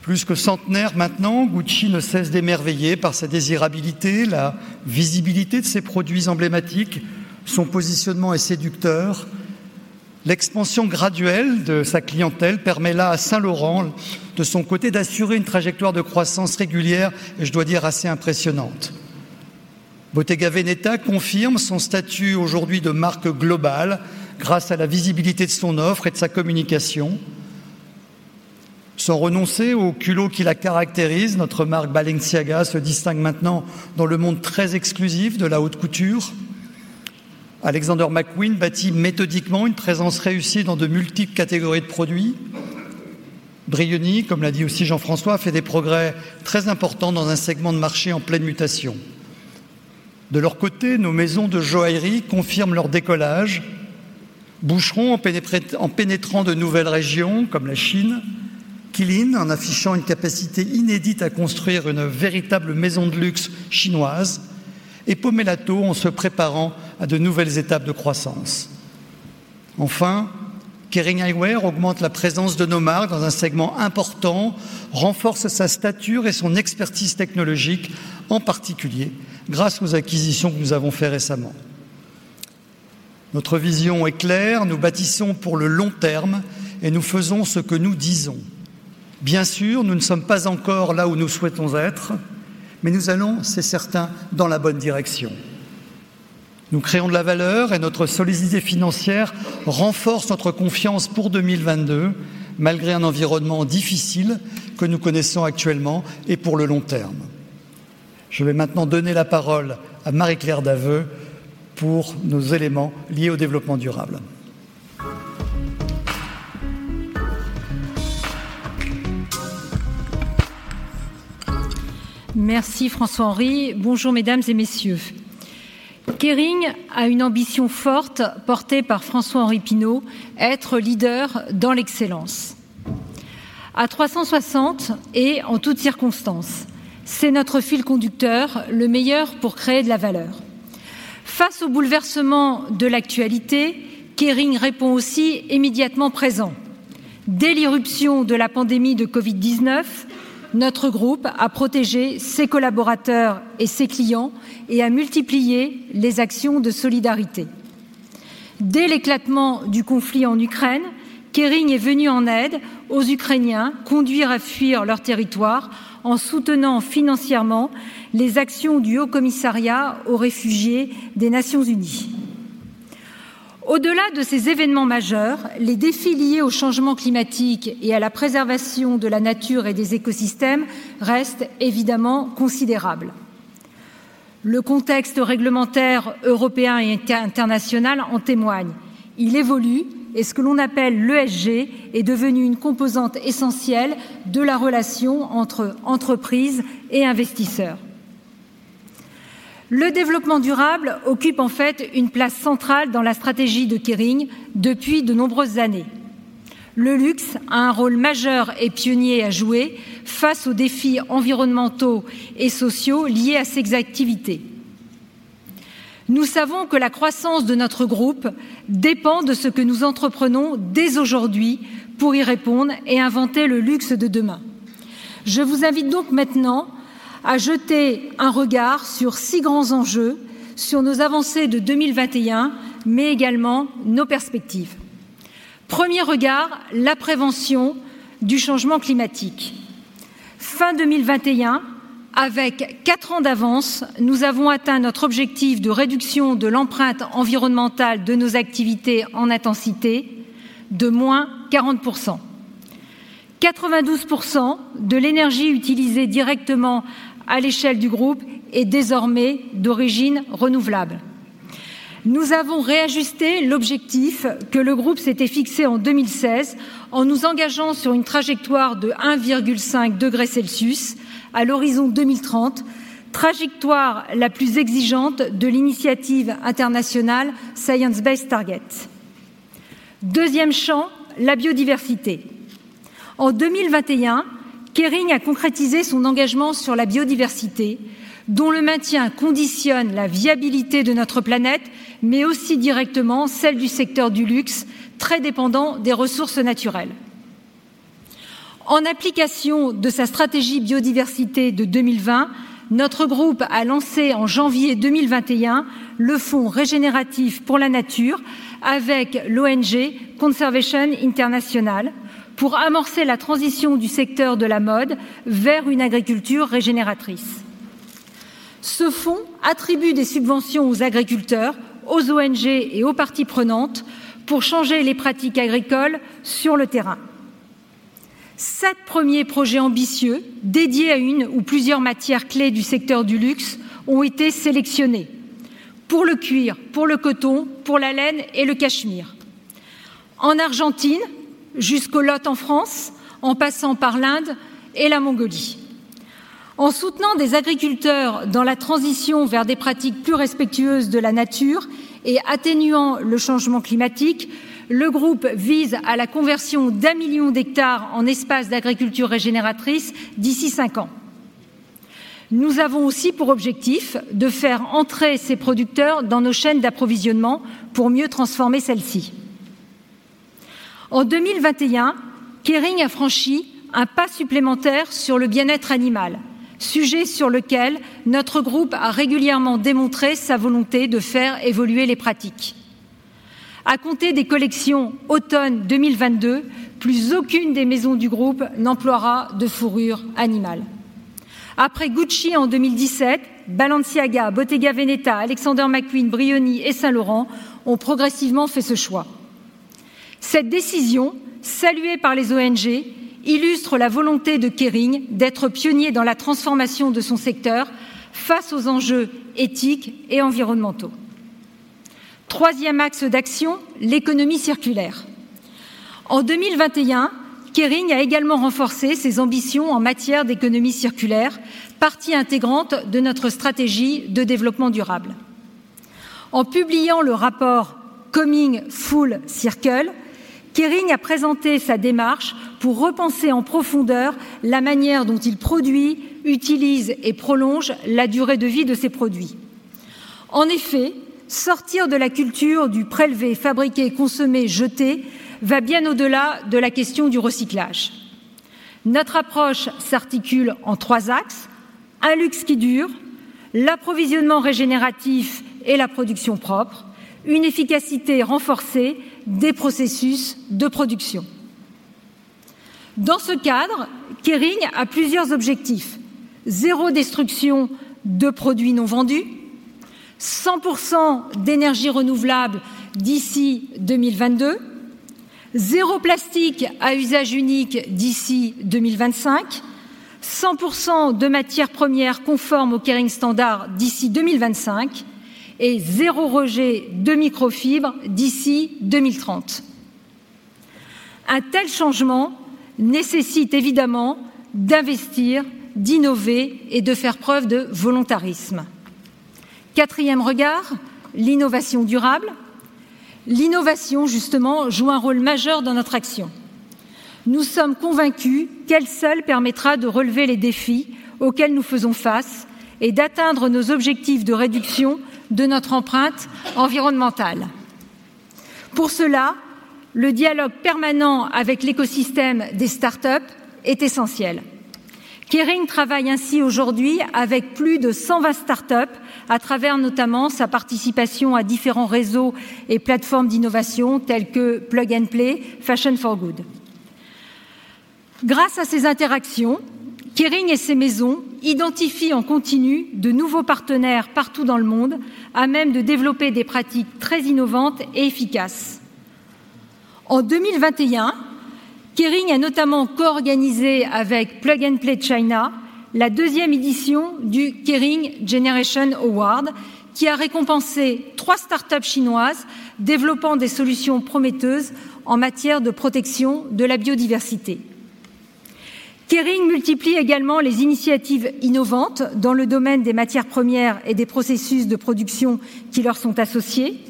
Plus que centenaire maintenant, Gucci ne cesse d'émerveiller par sa désirabilité, la visibilité de ses produits emblématiques, son positionnement est séducteur. L'expansion graduelle de sa clientèle permet là à Saint Laurent, de son côté, d'assurer une trajectoire de croissance régulière et, je dois dire, assez impressionnante. Bottega Veneta confirme son statut aujourd'hui de marque globale grâce à la visibilité de son offre et de sa communication. Sans renoncer au culot qui la caractérise, notre marque Balenciaga se distingue maintenant dans le monde très exclusif de la haute couture. Alexander McQueen bâtit méthodiquement une présence réussie dans de multiples catégories de produits. Brioni, comme l'a dit aussi Jean-François, fait des progrès très importants dans un segment de marché en pleine mutation. De leur côté, nos maisons de joaillerie confirment leur décollage. Boucheron en pénétrant de nouvelles régions comme la China, Qeelin, en affichant une capacité inédite à construire une véritable maison de luxe chinoise et Pomellato en se préparant à de nouvelles étapes de croissance. Kering Eyewear augmente la présence de Nomar dans un segment important, renforce sa stature et son expertise technologique, en particulier grâce aux acquisitions que nous avons faites récemment. Notre vision est claire, nous bâtissons pour le long terme et nous faisons ce que nous disons. Nous ne sommes pas encore là où nous souhaitons être, mais nous allons, c'est certain, dans la bonne direction. Nous créons de la valeur et notre solidité financière renforce notre confiance pour 2022, malgré un environnement difficile que nous connaissons actuellement et pour le long terme. Je vais maintenant donner la parole à Marie-Claire Daveu pour nos éléments liés au développement durable. Merci François-Henri. Bonjour Mesdames et Messieurs. Kering a une ambition forte portée par François-Henri Pinault, être leader dans l'excellence. À 360 et en toutes circonstances. C'est notre fil conducteur, le meilleur pour créer de la valeur. Face aux bouleversements de l'actualité, Kering répond aussi immédiatement présent. Dès l'irruption de la pandémie de COVID-19, notre groupe a protégé ses collaborateurs et ses clients et a multiplié les actions de solidarité. Dès l'éclatement du conflit en Ukraine, Kering est venu en aide aux Ukrainiens conduits à fuir leur territoire en soutenant financièrement les actions du Haut-Commissariat au réfugié des Nations Unies. Au-delà de ces événements majeurs, les défis liés au changement climatique et à la préservation de la nature et des écosystèmes restent évidemment considérables. Le contexte réglementaire européen et international en témoigne. Il évolue ce que l'on appelle l'ESG est devenu une composante essentielle de la relation entre entreprises et investisseurs. Le développement durable occupe en fait une place centrale dans la stratégie de Kering depuis de nombreuses années. Le luxe a un rôle majeur et pionnier à jouer face aux défis environnementaux et sociaux liés à ses activités. Nous savons que la croissance de notre groupe dépend de ce que nous entreprenons dès aujourd'hui pour y répondre et inventer le luxe de demain. Je vous invite maintenant à jeter un regard sur six grands enjeux, sur nos avancées de 2021, mais également nos perspectives. Premier regard: la prévention du changement climatique. Fin 2021, avec four ans d'avance, nous avons atteint notre objectif de réduction de l'empreinte environnementale de nos activités en intensité de moins 40%. 92% de l'énergie utilisée directement à l'échelle du groupe est désormais d'origine renouvelable. Nous avons réajusté l'objectif que le groupe s'était fixé en 2016 en nous engageant sur une trajectoire de 1.5 degré Celsius à l'horizon 2030, trajectoire la plus exigeante de l'initiative internationale Science Based Target. Deuxième champ: la biodiversité. En 2021, Kering a concrétisé son engagement sur la biodiversité, dont le maintien conditionne la viabilité de notre planète, mais aussi directement celle du secteur du luxe, très dépendant des ressources naturelles. En application de sa stratégie biodiversité de 2020, notre groupe a lancé en janvier 2021 le Fonds Régénératif pour la Nature avec l'ONG Conservation International pour amorcer la transition du secteur de la mode vers une agriculture régénératrice. Ce fonds attribue des subventions aux agriculteurs, aux ONG et aux parties prenantes pour changer les pratiques agricoles sur le terrain. Seven premiers projets ambitieux dédiés à une ou plusieurs matières clés du secteur du luxe ont été sélectionnés pour le cuir, pour le coton, pour la laine et le cachemire. En Argentine, jusqu'au Lot en France, en passant par l'Inde et la Mongolie. En soutenant des agriculteurs dans la transition vers des pratiques plus respectueuses de la nature et atténuant le changement climatique, le groupe vise à la conversion d'1 million d'hectares en espaces d'agriculture régénératrice d'ici five ans. Nous avons aussi pour objectif de faire entrer ces producteurs dans nos chaînes d'approvisionnement pour mieux transformer celles-ci. En 2021, Kering a franchi un pas supplémentaire sur le bien-être animal, sujet sur lequel notre groupe a régulièrement démontré sa volonté de faire évoluer les pratiques. À compter des collections automne 2022, plus aucune des maisons du groupe n'emploiera de fourrure animale. Après Gucci en 2017, Balenciaga, Bottega Veneta, Alexander McQueen, Brioni et Saint Laurent ont progressivement fait ce choix. Cette décision, saluée par les ONG, illustre la volonté de Kering d'être pionnier dans la transformation de son secteur face aux enjeux éthiques et environnementaux. Troisième axe d'action, l'économie circulaire. En 2021, Kering a également renforcé ses ambitions en matière d'économie circulaire, partie intégrante de notre stratégie de développement durable. En publiant le rapport Coming Full Circle, Kering a présenté sa démarche pour repenser en profondeur la manière dont il produit, utilise et prolonge la durée de vie de ses produits. En effet, sortir de la culture du prélever, fabriquer, consommer, jeter va bien au-delà de la question du recyclage. Notre approche s'articule en three axes, un luxe qui dure, l'approvisionnement régénératif et la production propre, une efficacité renforcée des processus de production. Dans ce cadre, Kering a plusieurs objectifs, zero destruction de produits non vendus, 100% d'énergie renouvelable d'ici 2022, zero plastique à usage unique d'ici 2025, 100% de matières premières conformes au Kering Standard d'ici 2025, et zero rejet de microfibres d'ici 2030. Un tel changement nécessite évidemment d'investir, d'innover et de faire preuve de volontarisme. Quatrième regard, l'innovation durable. L'innovation, justement, joue un rôle majeur dans notre action. Nous sommes convaincus qu'elle seule permettra de relever les défis auxquels nous faisons face et d'atteindre nos objectifs de réduction de notre empreinte environnementale. Pour cela, le dialogue permanent avec l'écosystème des start-up est essentiel. Kering travaille ainsi aujourd'hui avec plus de 120 start-up à travers notamment sa participation à différents réseaux et plateformes d'innovation tels que Plug and Play, Fashion for Good. Grâce à ces interactions, Kering et ses maisons identifient en continu de nouveaux partenaires partout dans le monde à même de développer des pratiques très innovantes et efficaces. En 2021, Kering a notamment coorganisé avec Plug and Play China la second édition du Kering Generation Award, qui a récompensé three start-up chinoises développant des solutions prometteuses en matière de protection de la biodiversité. Kering multiplie également les initiatives innovantes dans le domaine des matières premières et des processus de production qui leur sont associés.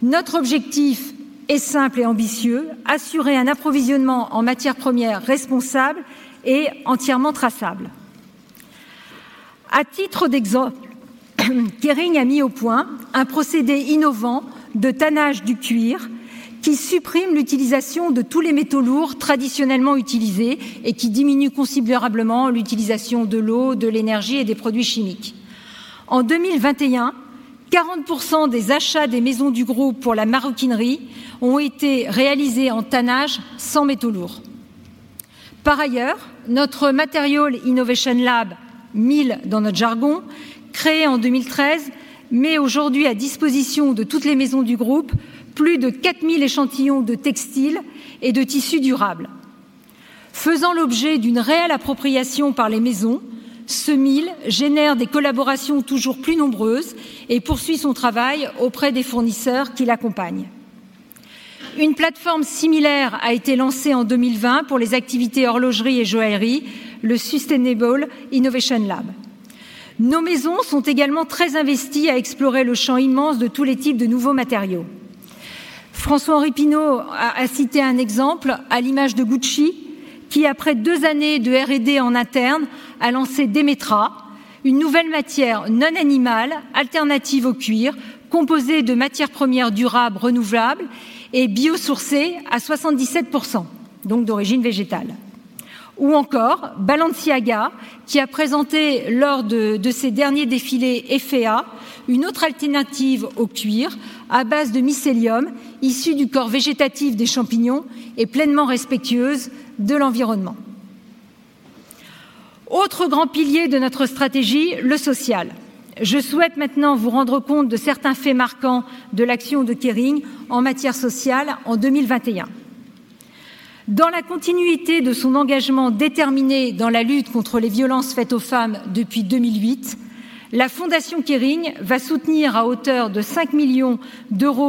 Notre objectif est simple et ambitieux, assurer un approvisionnement en matières premières responsable et entièrement traçable. À titre d'exemple, Kering a mis au point un procédé innovant de tannage du cuir qui supprime l'utilisation de tous les métaux lourds traditionnellement utilisés et qui diminue considérablement l'utilisation de l'eau, de l'énergie et des produits chimiques. En 2021, 40% des achats des maisons du groupe pour la maroquinerie ont été réalisés en tannage sans métaux lourds. Par ailleurs, notre Material Innovation Lab, MIL dans notre jargon, créé en 2013, met aujourd'hui à disposition de toutes les maisons du groupe plus de 4,000 échantillons de textiles et de tissus durables. Faisant l'objet d'une réelle appropriation par les maisons, ce MIL génère des collaborations toujours plus nombreuses et poursuit son travail auprès des fournisseurs qui l'accompagnent. Une plateforme similaire a été lancée en 2020 pour les activités horlogerie et joaillerie, le Sustainable Innovation Lab. Nos maisons sont également très investies à explorer le champ immense de tous les types de nouveaux matériaux. François-Henri Pinault a cité un exemple à l'image de Gucci, qui après deux années de R&D en interne, a lancé Demetra, une nouvelle matière non animale alternative au cuir, composée de matières premières durables, renouvelables et biosourcées à 77%, donc d'origine végétale. Balenciaga, qui a présenté lors de ses derniers défilés EPHEA, une autre alternative au cuir à base de mycélium issu du corps végétatif des champignons et pleinement respectueuse de l'environnement. Autre grand pilier de notre stratégie, le social. Je souhaite maintenant vous rendre compte de certains faits marquants de l'action de Kering en matière sociale en 2021. Dans la continuité de son engagement déterminé dans la lutte contre les violences faites aux femmes depuis 2008, la Fondation Kering va soutenir à hauteur de 5 million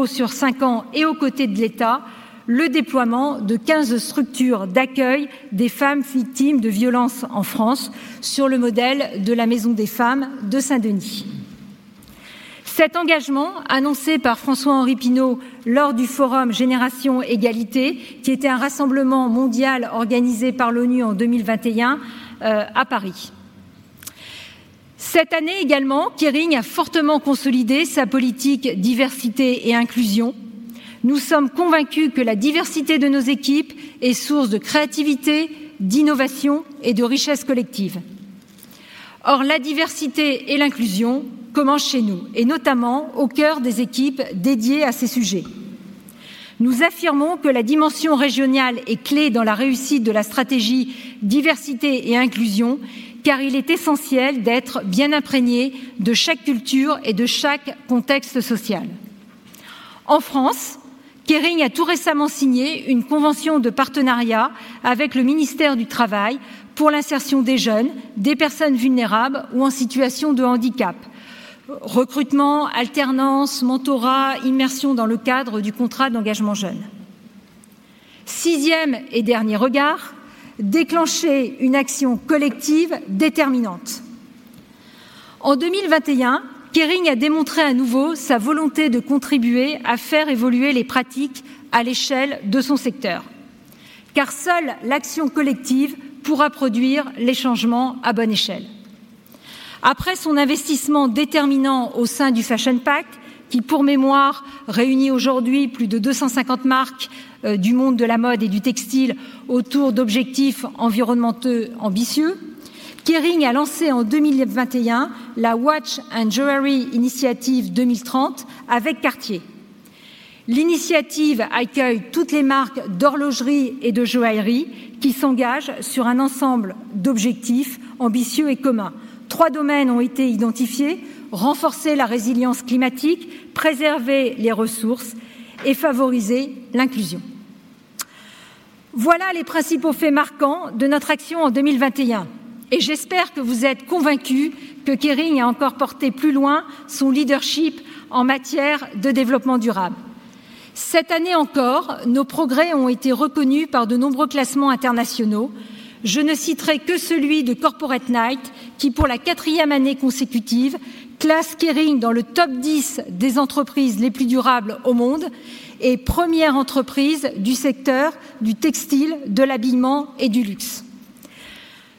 sur five ans et aux côtés de l'État le déploiement de 15 structures d'accueil des femmes victimes de violences en France sur le modèle de la Maison des femmes de Saint-Denis. Cet engagement annoncé par François-Henri Pinault lors du Forum Génération Égalité, qui était un rassemblement mondial organisé par l'ONU en 2021, à Paris. Cette année également, Kering a fortement consolidé sa politique diversité et inclusion. Nous sommes convaincus que la diversité de nos équipes est source de créativité, d'innovation et de richesse collective. La diversité et l'inclusion commencent chez nous, et notamment au cœur des équipes dédiées à ces sujets. Nous affirmons que la dimension régionale est clé dans la réussite de la stratégie diversité et inclusion, car il est essentiel d'être bien imprégné de chaque culture et de chaque contexte social. En France, Kering a tout récemment signé une convention de partenariat avec le ministère du Travail pour l'insertion des jeunes, des personnes vulnérables ou en situation de handicap. Recrutement, alternance, mentorat, immersion dans le cadre du contrat d'engagement jeune. Sixth et dernier regard, déclencher une action collective déterminante. En 2021, Kering a démontré à nouveau sa volonté de contribuer à faire évoluer les pratiques à l'échelle de son secteur, car seule l'action collective pourra produire les changements à bonne échelle. Après son investissement déterminant au sein du Fashion Pact, qui, pour mémoire, réunit aujourd'hui plus de 250 marques du monde de la mode et du textile autour d'objectifs environnementaux ambitieux, Kering a lancé en 2021 la Watch and Jewellery Initiative 2030 avec Cartier. L'initiative accueille toutes les marques d'horlogerie et de joaillerie qui s'engagent sur un ensemble d'objectifs ambitieux et communs. three domaines ont été identifiés: renforcer la résilience climatique, préserver les ressources et favoriser l'inclusion. Voilà les principaux faits marquants de notre action en 2021. J'espère que vous êtes convaincus que Kering a encore porté plus loin son leadership en matière de développement durable. Cette année encore, nos progrès ont été reconnus par de nombreux classements internationaux. Je ne citerai que celui de Corporate Knights qui, pour la fourth année consécutive, classe Kering dans le top 10 des entreprises les plus durables au monde et première entreprise du secteur du textile, de l'habillement et du luxe.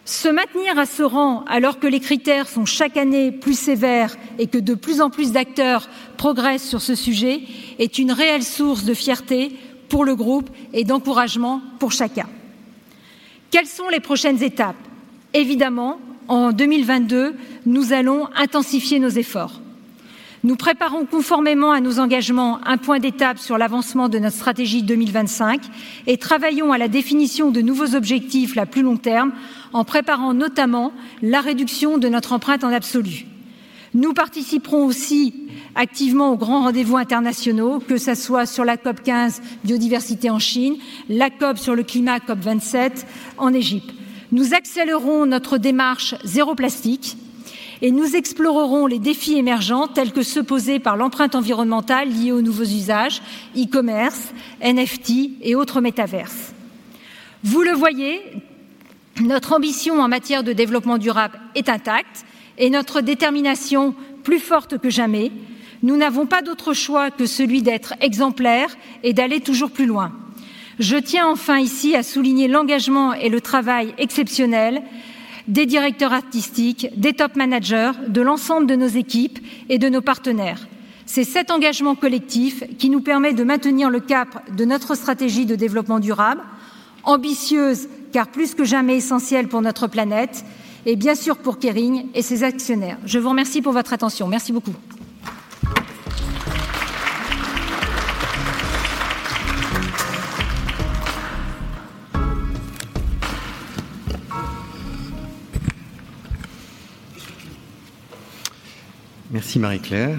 Se maintenir à ce rang alors que les critères sont chaque année plus sévères et que de plus en plus d'acteurs progressent sur ce sujet est une réelle source de fierté pour le groupe et d'encouragement pour chacun. Quelles sont les prochaines étapes? Évidemment, en 2022, nous allons intensifier nos efforts. Nous préparons conformément à nos engagements un point d'étape sur l'avancement de notre stratégie 2025 et travaillons à la définition de nouveaux objectifs à plus long terme, en préparant notamment la réduction de notre empreinte en absolu. Nous participerons aussi activement aux grands rendez-vous internationaux, que ça soit sur la COP15 biodiversité en Chine, la COP sur le climat, COP27 en Égypte. Nous accélérerons notre démarche zero plastique et nous explorerons les défis émergents tels que ceux posés par l'empreinte environnementale liée aux nouveaux usages, e-commerce, NFT et autres metaverses. Vous le voyez, notre ambition en matière de développement durable est intacte et notre détermination plus forte que jamais. Nous n'avons pas d'autre choix que celui d'être exemplaire et d'aller toujours plus loin. Je tiens enfin ici à souligner l'engagement et le travail exceptionnel des directeurs artistiques, des top managers, de l'ensemble de nos équipes et de nos partenaires. C'est cet engagement collectif qui nous permet de maintenir le cap de notre stratégie de développement durable, ambitieuse, car plus que jamais essentielle pour notre planète et bien sûr pour Kering et ses actionnaires. Je vous remercie pour votre attention. Merci beaucoup. Merci Marie-Claire.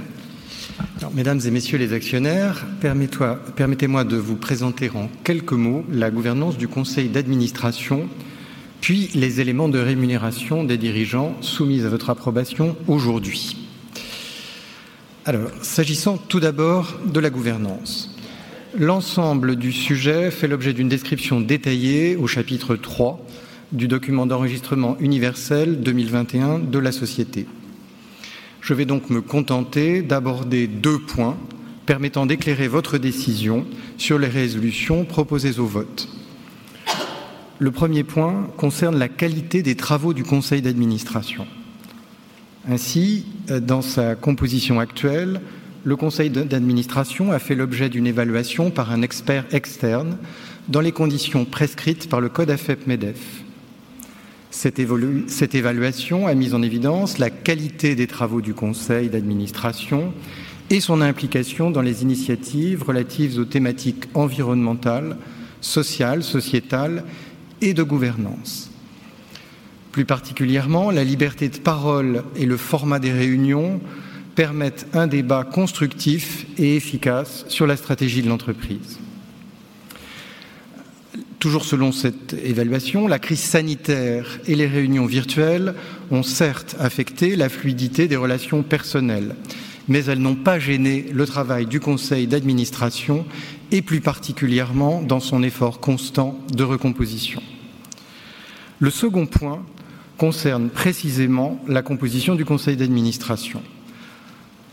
Mesdames et messieurs les actionnaires, permettez-moi de vous présenter en quelques mots la gouvernance du conseil d'administration, puis les éléments de rémunération des dirigeants soumis à votre approbation aujourd'hui. S'agissant tout d'abord de la gouvernance, l'ensemble du sujet fait l'objet d'une description détaillée au chapitre three du document d'enregistrement universel 2021 de la société. Je vais donc me contenter d'aborder two points permettant d'éclairer votre décision sur les résolutions proposées au vote. Le first point concerne la qualité des travaux du conseil d'administration. Dans sa composition actuelle, le conseil d'administration a fait l'objet d'une évaluation par un expert externe dans les conditions prescrites par le code AFEP-MEDEF. Cette évaluation a mis en évidence la qualité des travaux du conseil d'administration et son implication dans les initiatives relatives aux thématiques environnementales, sociales, sociétales et de gouvernance. Plus particulièrement, la liberté de parole et le format des réunions permettent un débat constructif et efficace sur la stratégie de l'entreprise. Toujours selon cette évaluation, la crise sanitaire et les réunions virtuelles ont certes affecté la fluidité des relations personnelles, mais elles n'ont pas gêné le travail du conseil d'administration et plus particulièrement dans son effort constant de recomposition. Le second point concerne précisément la composition du conseil d'administration.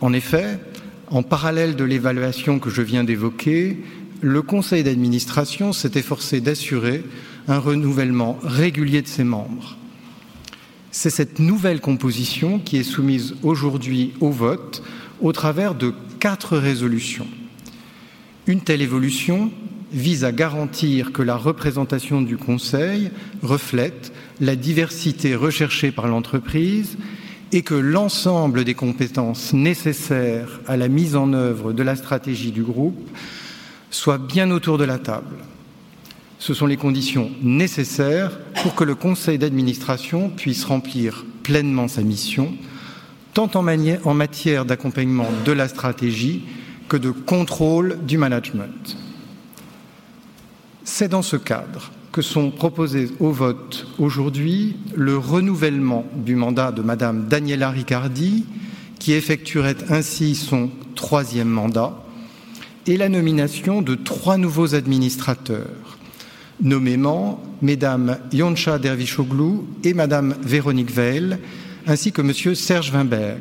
En effet, en parallèle de l'évaluation que je viens d'évoquer, le conseil d'administration s'est efforcé d'assurer un renouvellement régulier de ses membres. C'est cette nouvelle composition qui est soumise aujourd'hui au vote au travers de four résolutions. Une telle évolution. Vise à garantir que la représentation du Conseil reflète la diversité recherchée par l'entreprise et que l'ensemble des compétences nécessaires à la mise en œuvre de la stratégie du groupe soit bien autour de la table. Ce sont les conditions nécessaires pour que le conseil d'administration puisse remplir pleinement sa mission, en matière d'accompagnement de la stratégie que de contrôle du management. C'est dans ce cadre que sont proposés au vote aujourd'hui le renouvellement du mandat de madame Daniela Riccardi, qui effectuerait ainsi son troisième mandat, et la nomination de trois nouveaux administrateurs, nommément mesdames Yonca Dervisoglu et madame Véronique Weill, ainsi que monsieur Serge Weinberg.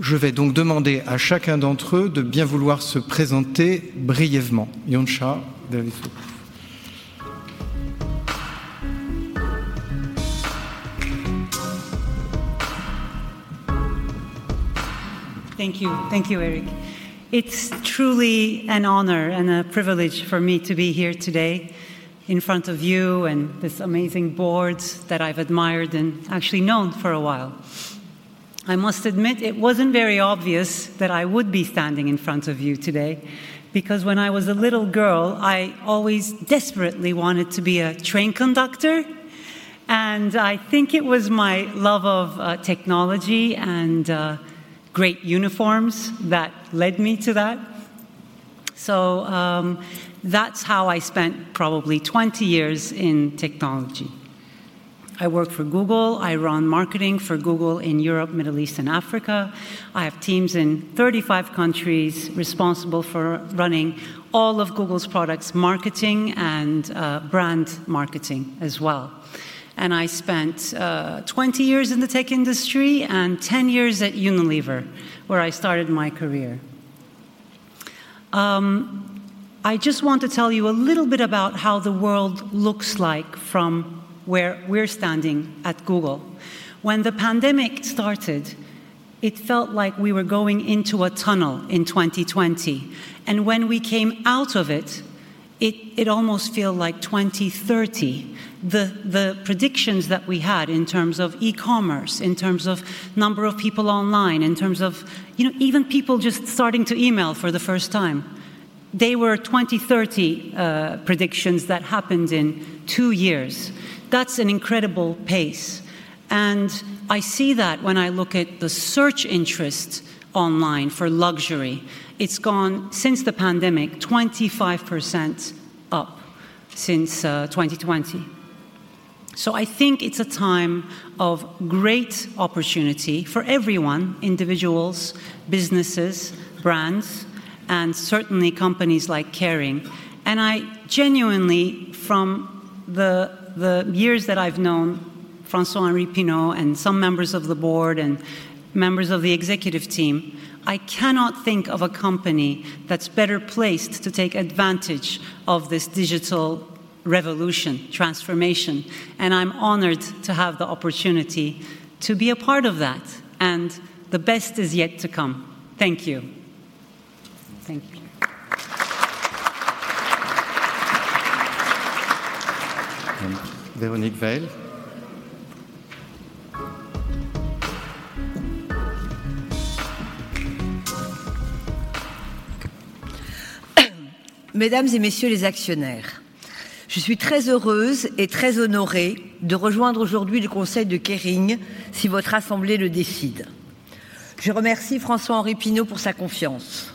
Je vais donc demander à chacun d'entre eux de bien vouloir se présenter brièvement. Yonca Dervisoglu. Thank you, thank you Éric. It's truly an honor and a privilege for me to be here today in front of you and this amazing board that I've admired and actually known for a while. I must admit it wasn't very obvious that I would be standing in front of you today, because when I was a little girl, I always desperately wanted to be a train conductor. I think it was my love of technology and great uniforms that led me to that. That's how I spent probably 20 years in technology. I worked for Google, I run marketing for Google in Europe, Middle East and Africa. I have teams in 35 countries responsible for running all of Google's products, marketing and brand marketing as well. I spent 20 years in the tech industry and 10 years at Unilever, where I started my career. I just want to tell you a little bit about how the world looks like from where we're standing at Google. When the pandemic started, it felt like we were going into a tunnel in 2020. When we came out of it almost feel like 2030. The predictions that we had in terms of e-commerce, in terms of number of people online, in terms of, you know, even people just starting to email for the first time. They were 2030 predictions that happened in two years. That's an incredible pace. I see that when I look at the search interest online for luxury. It's gone, since the pandemic, 25% up since 2020. I think it's a time of great opportunity for everyone, individuals, businesses, brands, and certainly companies like Kering. I genuinely, from the years that I've known François-Henri Pinault and some members of the board and members of the executive team, I cannot think of a company that's better placed to take advantage of this digital revolution transformation. I'm honored to have the opportunity to be a part of that. The best is yet to come. Thank you. Thank you. Véronique Weill. Mesdames et messieurs les actionnaires, je suis très heureuse et très honorée de rejoindre aujourd'hui le conseil de Kering, si votre assemblée le décide. Je remercie François-Henri Pinault pour sa confiance.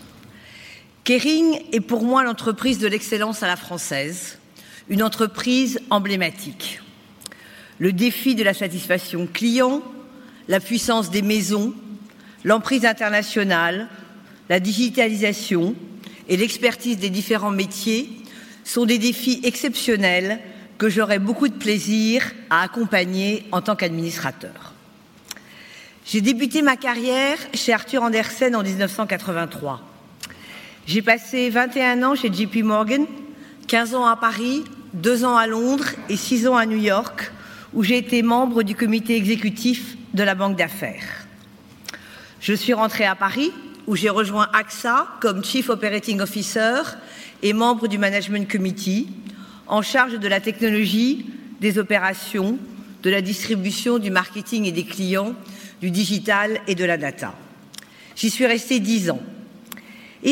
Kering est pour moi l'entreprise de l'excellence à la française, une entreprise emblématique. Le défi de la satisfaction client, la puissance des maisons, l'emprise internationale, la digitalisation et l'expertise des différents métiers sont des défis exceptionnels que j'aurai beaucoup de plaisir à accompagner en tant qu'administrateur. J'ai débuté ma carrière chez Arthur Andersen en 1983. J'ai passé 21 ans chez JP Morgan, 15 ans à Paris, two ans à Londres et six ans à New York, où j'ai été membre du comité exécutif de la banque d'affaires. Je suis rentrée à Paris, où j'ai rejoint AXA comme chief operating officer et membre du management committee en charge de la technologie, des opérations, de la distribution, du marketing et des clients, du digital et de la data. J'y suis restée 10 ans.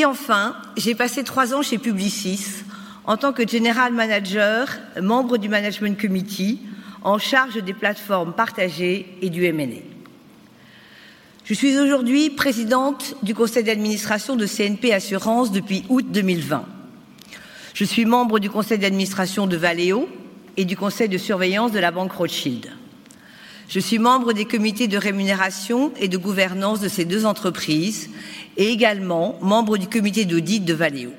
Enfin, j'ai passé three ans chez Publicis en tant que general manager, membre du management committee en charge des plateformes partagées et du M&A. Je suis aujourd'hui présidente du conseil d'administration de CNP Assurances depuis August 2020. Je suis membre du conseil d'administration de Valeo et du conseil de surveillance de la banque Rothschild. Je suis membre des comités de rémunération et de gouvernance de ces two entreprises et également membre du comité d'audit de Valeo.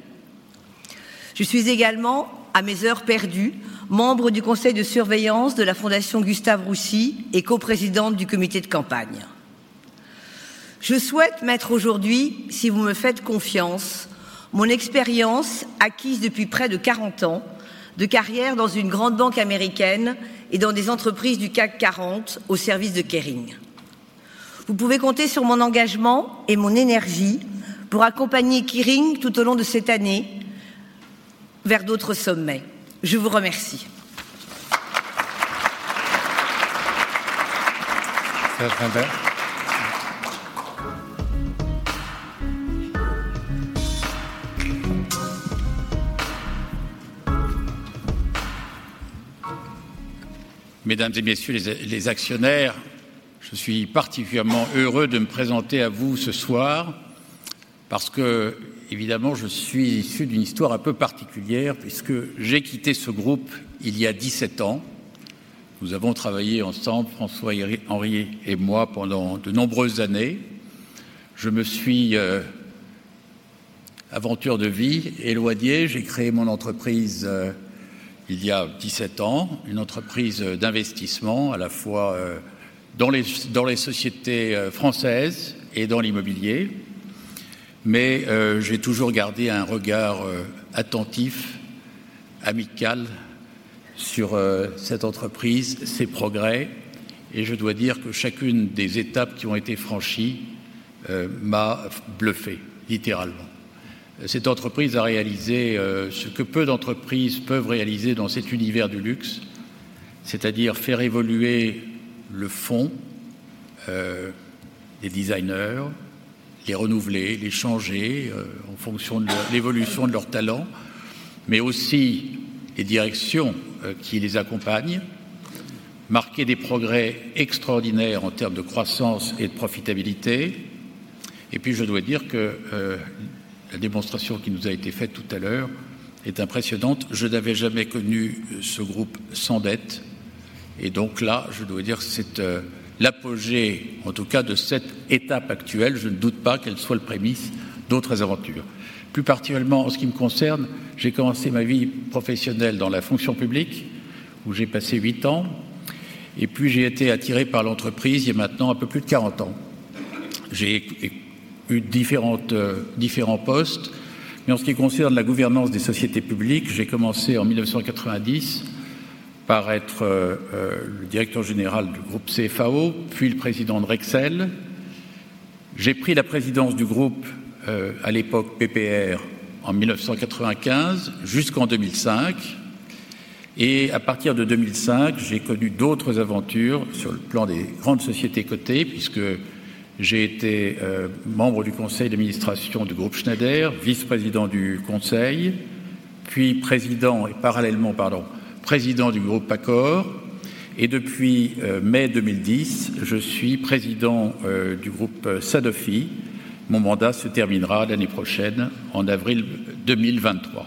Je suis également, à mes heures perdues, membre du conseil de surveillance de la Fondation Gustave Roussy et coprésidente du comité de campagne. Je souhaite mettre aujourd'hui, si vous me faites confiance, mon expérience acquise depuis près de 40 ans de carrière dans une grande banque américaine et dans des entreprises du CAC 40 au service de Kering. Vous pouvez compter sur mon engagement et mon énergie pour accompagner Kering tout au long de cette année vers d'autres sommets. Je vous remercie. Mesdames et messieurs les actionnaires, je suis particulièrement heureux de me présenter à vous ce soir parce qu'évidemment, je suis issu d'une histoire un peu particulière puisque j'ai quitté ce groupe il y a 17 ans. Nous avons travaillé ensemble, François-Henri et moi, pendant de nombreuses années. Je me suis, aventure de vie, éloigné. J'ai créé mon entreprise il y a 17 ans, une entreprise d'investissement à la fois dans les sociétés françaises et dans l'immobilier. J'ai toujours gardé un regard attentif, amical sur cette entreprise, ses progrès. Je dois dire que chacune des étapes qui ont été franchies m'a bluffé, littéralement. Cette entreprise a réalisé ce que peu d'entreprises peuvent réaliser dans cet univers du luxe, c'est-à-dire faire évoluer le fond des designers, les renouveler, les changer en fonction de l'évolution de leur talent, mais aussi les directions qui les accompagnent, marquer des progrès extraordinaires en termes de croissance et de profitabilité. Puis, je dois dire que la démonstration qui nous a été faite tout à l'heure est impressionnante. Je n'avais jamais connu ce groupe sans dette. Donc là, je dois dire que c'est l'apogée, en tout cas, de cette étape actuelle. Je ne doute pas qu'elle soit le prémisse d'autres aventures. Plus particulièrement en ce qui me concerne, j'ai commencé ma vie professionnelle dans la fonction publique où j'ai passé huit ans. Puis, j'ai été attiré par l'entreprise il y a maintenant un peu plus de 40 ans. J'ai eu différents postes. En ce qui concerne la gouvernance des sociétés publiques, j'ai commencé en 1990 par être le directeur général du groupe CFAO, puis le président de Rexel. J'ai pris la présidence du groupe, à l'époque PPR, en 1995, jusqu'en 2005. À partir de 2005, j'ai connu d'autres aventures sur le plan des grandes sociétés cotées, puisque j'ai été membre du conseil d'administration du groupe Schneider, vice-président du conseil, puis président, parallèlement, président du groupe Pacor. Depuis mai 2010, je suis président du groupe Sanofi. Mon mandat se terminera l'année prochaine, en avril 2023.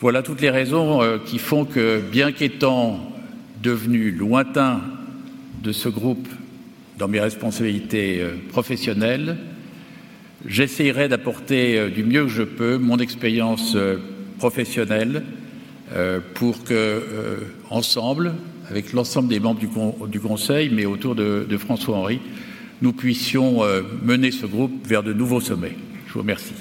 Voilà toutes les raisons qui font que bien qu'étant devenu lointain de ce groupe dans mes responsabilités professionnelles, j'essayerai d'apporter du mieux que je peux mon expérience professionnelle pour qu'ensemble, avec l'ensemble des membres du conseil, mais autour de François-Henri, nous puissions mener ce groupe vers de nouveaux sommets. Je vous remercie.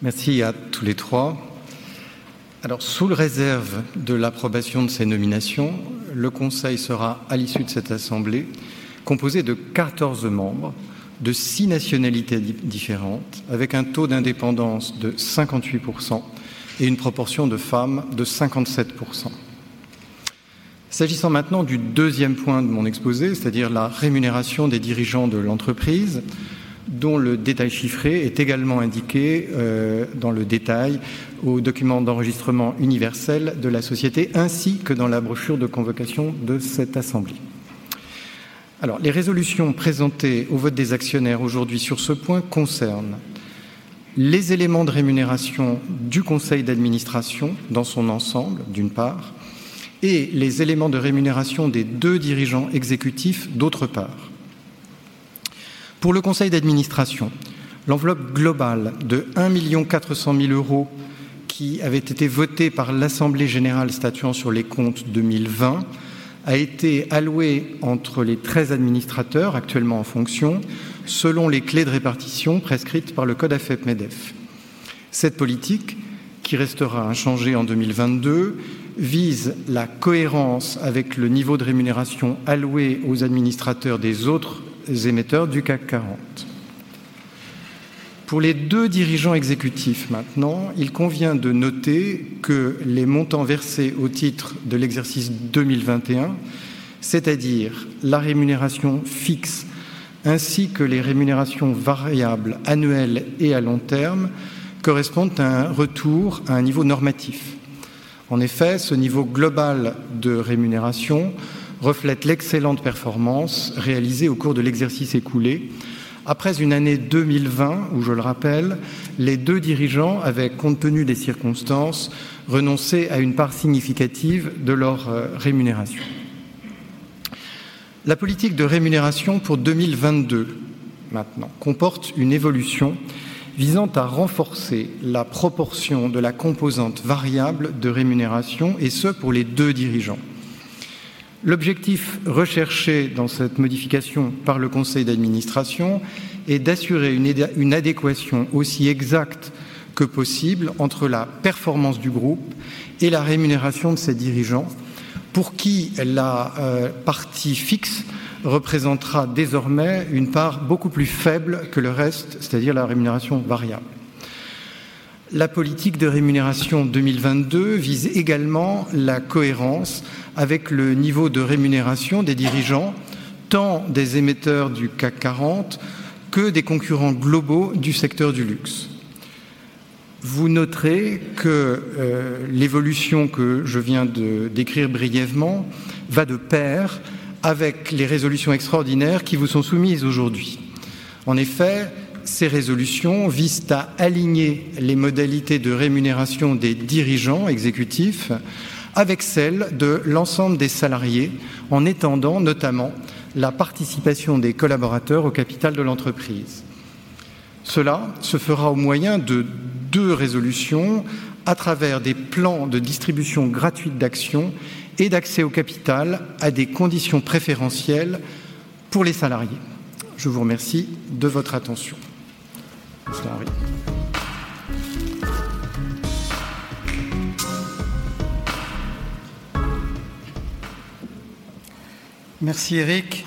Merci à tous les three. Sous le réserve de l'approbation de ces nominations, le conseil sera, à l'issue de cette assemblée, composé de 14 membres de six nationalités différentes, avec un taux d'indépendance de 58% et une proportion de femmes de 57%. S'agissant maintenant du deuxième point de mon exposé, c'est-à-dire la rémunération des dirigeants de l'entreprise, dont le détail chiffré est également indiqué dans le détail au document d'enregistrement universel de la Société ainsi que dans la brochure de convocation de cette assemblée. Les résolutions présentées au vote des actionnaires aujourd'hui sur ce point concernent les éléments de rémunération du conseil d'administration dans son ensemble, d'une part, et les éléments de rémunération des two dirigeants exécutifs, d'autre part. Pour le conseil d'administration, l'enveloppe globale de 1.4 million euros qui avait été votée par l'Assemblée générale statuant sur les comptes 2020 a été allouée entre les 13 administrateurs actuellement en fonction, selon les clés de répartition prescrites par le Code AFEP-MEDEF. Cette politique, qui restera inchangée en 2022, vise la cohérence avec le niveau de rémunération alloué aux administrateurs des autres émetteurs du CAC 40. Pour les two dirigeants exécutifs, maintenant, il convient de noter que les montants versés au titre de l'exercice 2021, c'est-à-dire la rémunération fixe ainsi que les rémunérations variables annuelles et à long terme, correspondent à un retour à un niveau normatif. Ce niveau global de rémunération reflète l'excellente performance réalisée au cours de l'exercice écoulé. Après une année 2020 où, je le rappelle, les two dirigeants avaient, compte tenu des circonstances, renoncé à une part significative de leur rémunération. La politique de rémunération pour 2022, maintenant, comporte une évolution visant à renforcer la proportion de la composante variable de rémunération, et ce, pour les deux dirigeants. L'objectif recherché dans cette modification par le conseil d'administration est d'assurer une adéquation aussi exacte que possible entre la performance du groupe et la rémunération de ses dirigeants, pour qui la partie fixe représentera désormais une part beaucoup plus faible que le reste, c'est-à-dire la rémunération variable. La politique de rémunération 2022 vise également la cohérence avec le niveau de rémunération des dirigeants, tant des émetteurs du CAC 40 que des concurrents globaux du secteur du luxe. Vous noterez que l'évolution que je viens de décrire brièvement va de pair avec les résolutions extraordinaires qui vous sont soumises aujourd'hui. En effet, ces résolutions visent à aligner les modalités de rémunération des dirigeants exécutifs avec celles de l'ensemble des salariés, en étendant notamment la participation des collaborateurs au capital de l'entreprise. Cela se fera au moyen de two résolutions à travers des plans de distribution gratuite d'actions et d'accès au capital à des conditions préférentielles pour les salariés. Je vous remercie de votre attention. Merci Éric.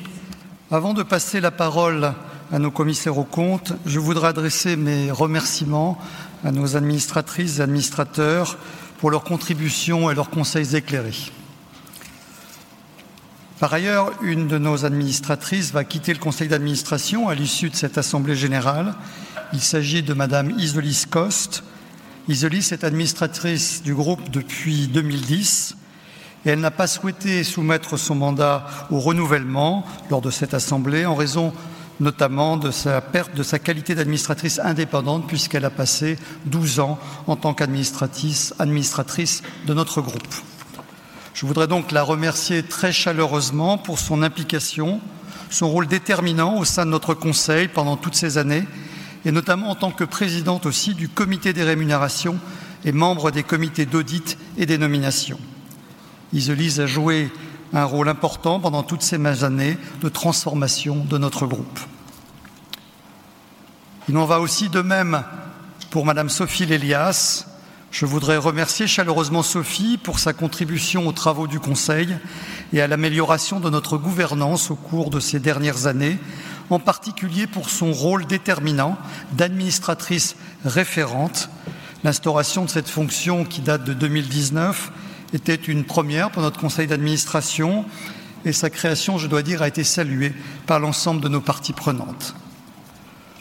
Avant de passer la parole à nos commissaires aux comptes, je voudrais adresser mes remerciements à nos administratrices et administrateurs pour leur contribution et leurs conseils éclairés. Par ailleurs, une de nos administratrices va quitter le conseil d'administration à l'issue de cette assemblée générale. Il s'agit de madame Yseulys Costes. Isolis est administratrice du groupe depuis 2010 et elle n'a pas souhaité soumettre son mandat au renouvellement lors de cette assemblée, en raison notamment de sa perte de sa qualité d'administratrice indépendante puisqu'elle a passé 12 ans en tant qu'administratrice de notre groupe. Je voudrais donc la remercier très chaleureusement pour son implication, son rôle déterminant au sein de notre conseil pendant toutes ces années et notamment en tant que présidente aussi du comité des rémunérations et membre des comités d'audit et des nominations. Isolis a joué un rôle important pendant toutes ces années de transformation de notre groupe. Il en va aussi de même pour madame Sophie L'Hélias. Je voudrais remercier chaleureusement Sophie pour sa contribution aux travaux du conseil et à l'amélioration de notre gouvernance au cours de ces dernières années, en particulier pour son rôle déterminant d'administratrice référente. L'instauration de cette fonction, qui date de 2019, était une première pour notre conseil d'administration et sa création, je dois dire, a été saluée par l'ensemble de nos parties prenantes.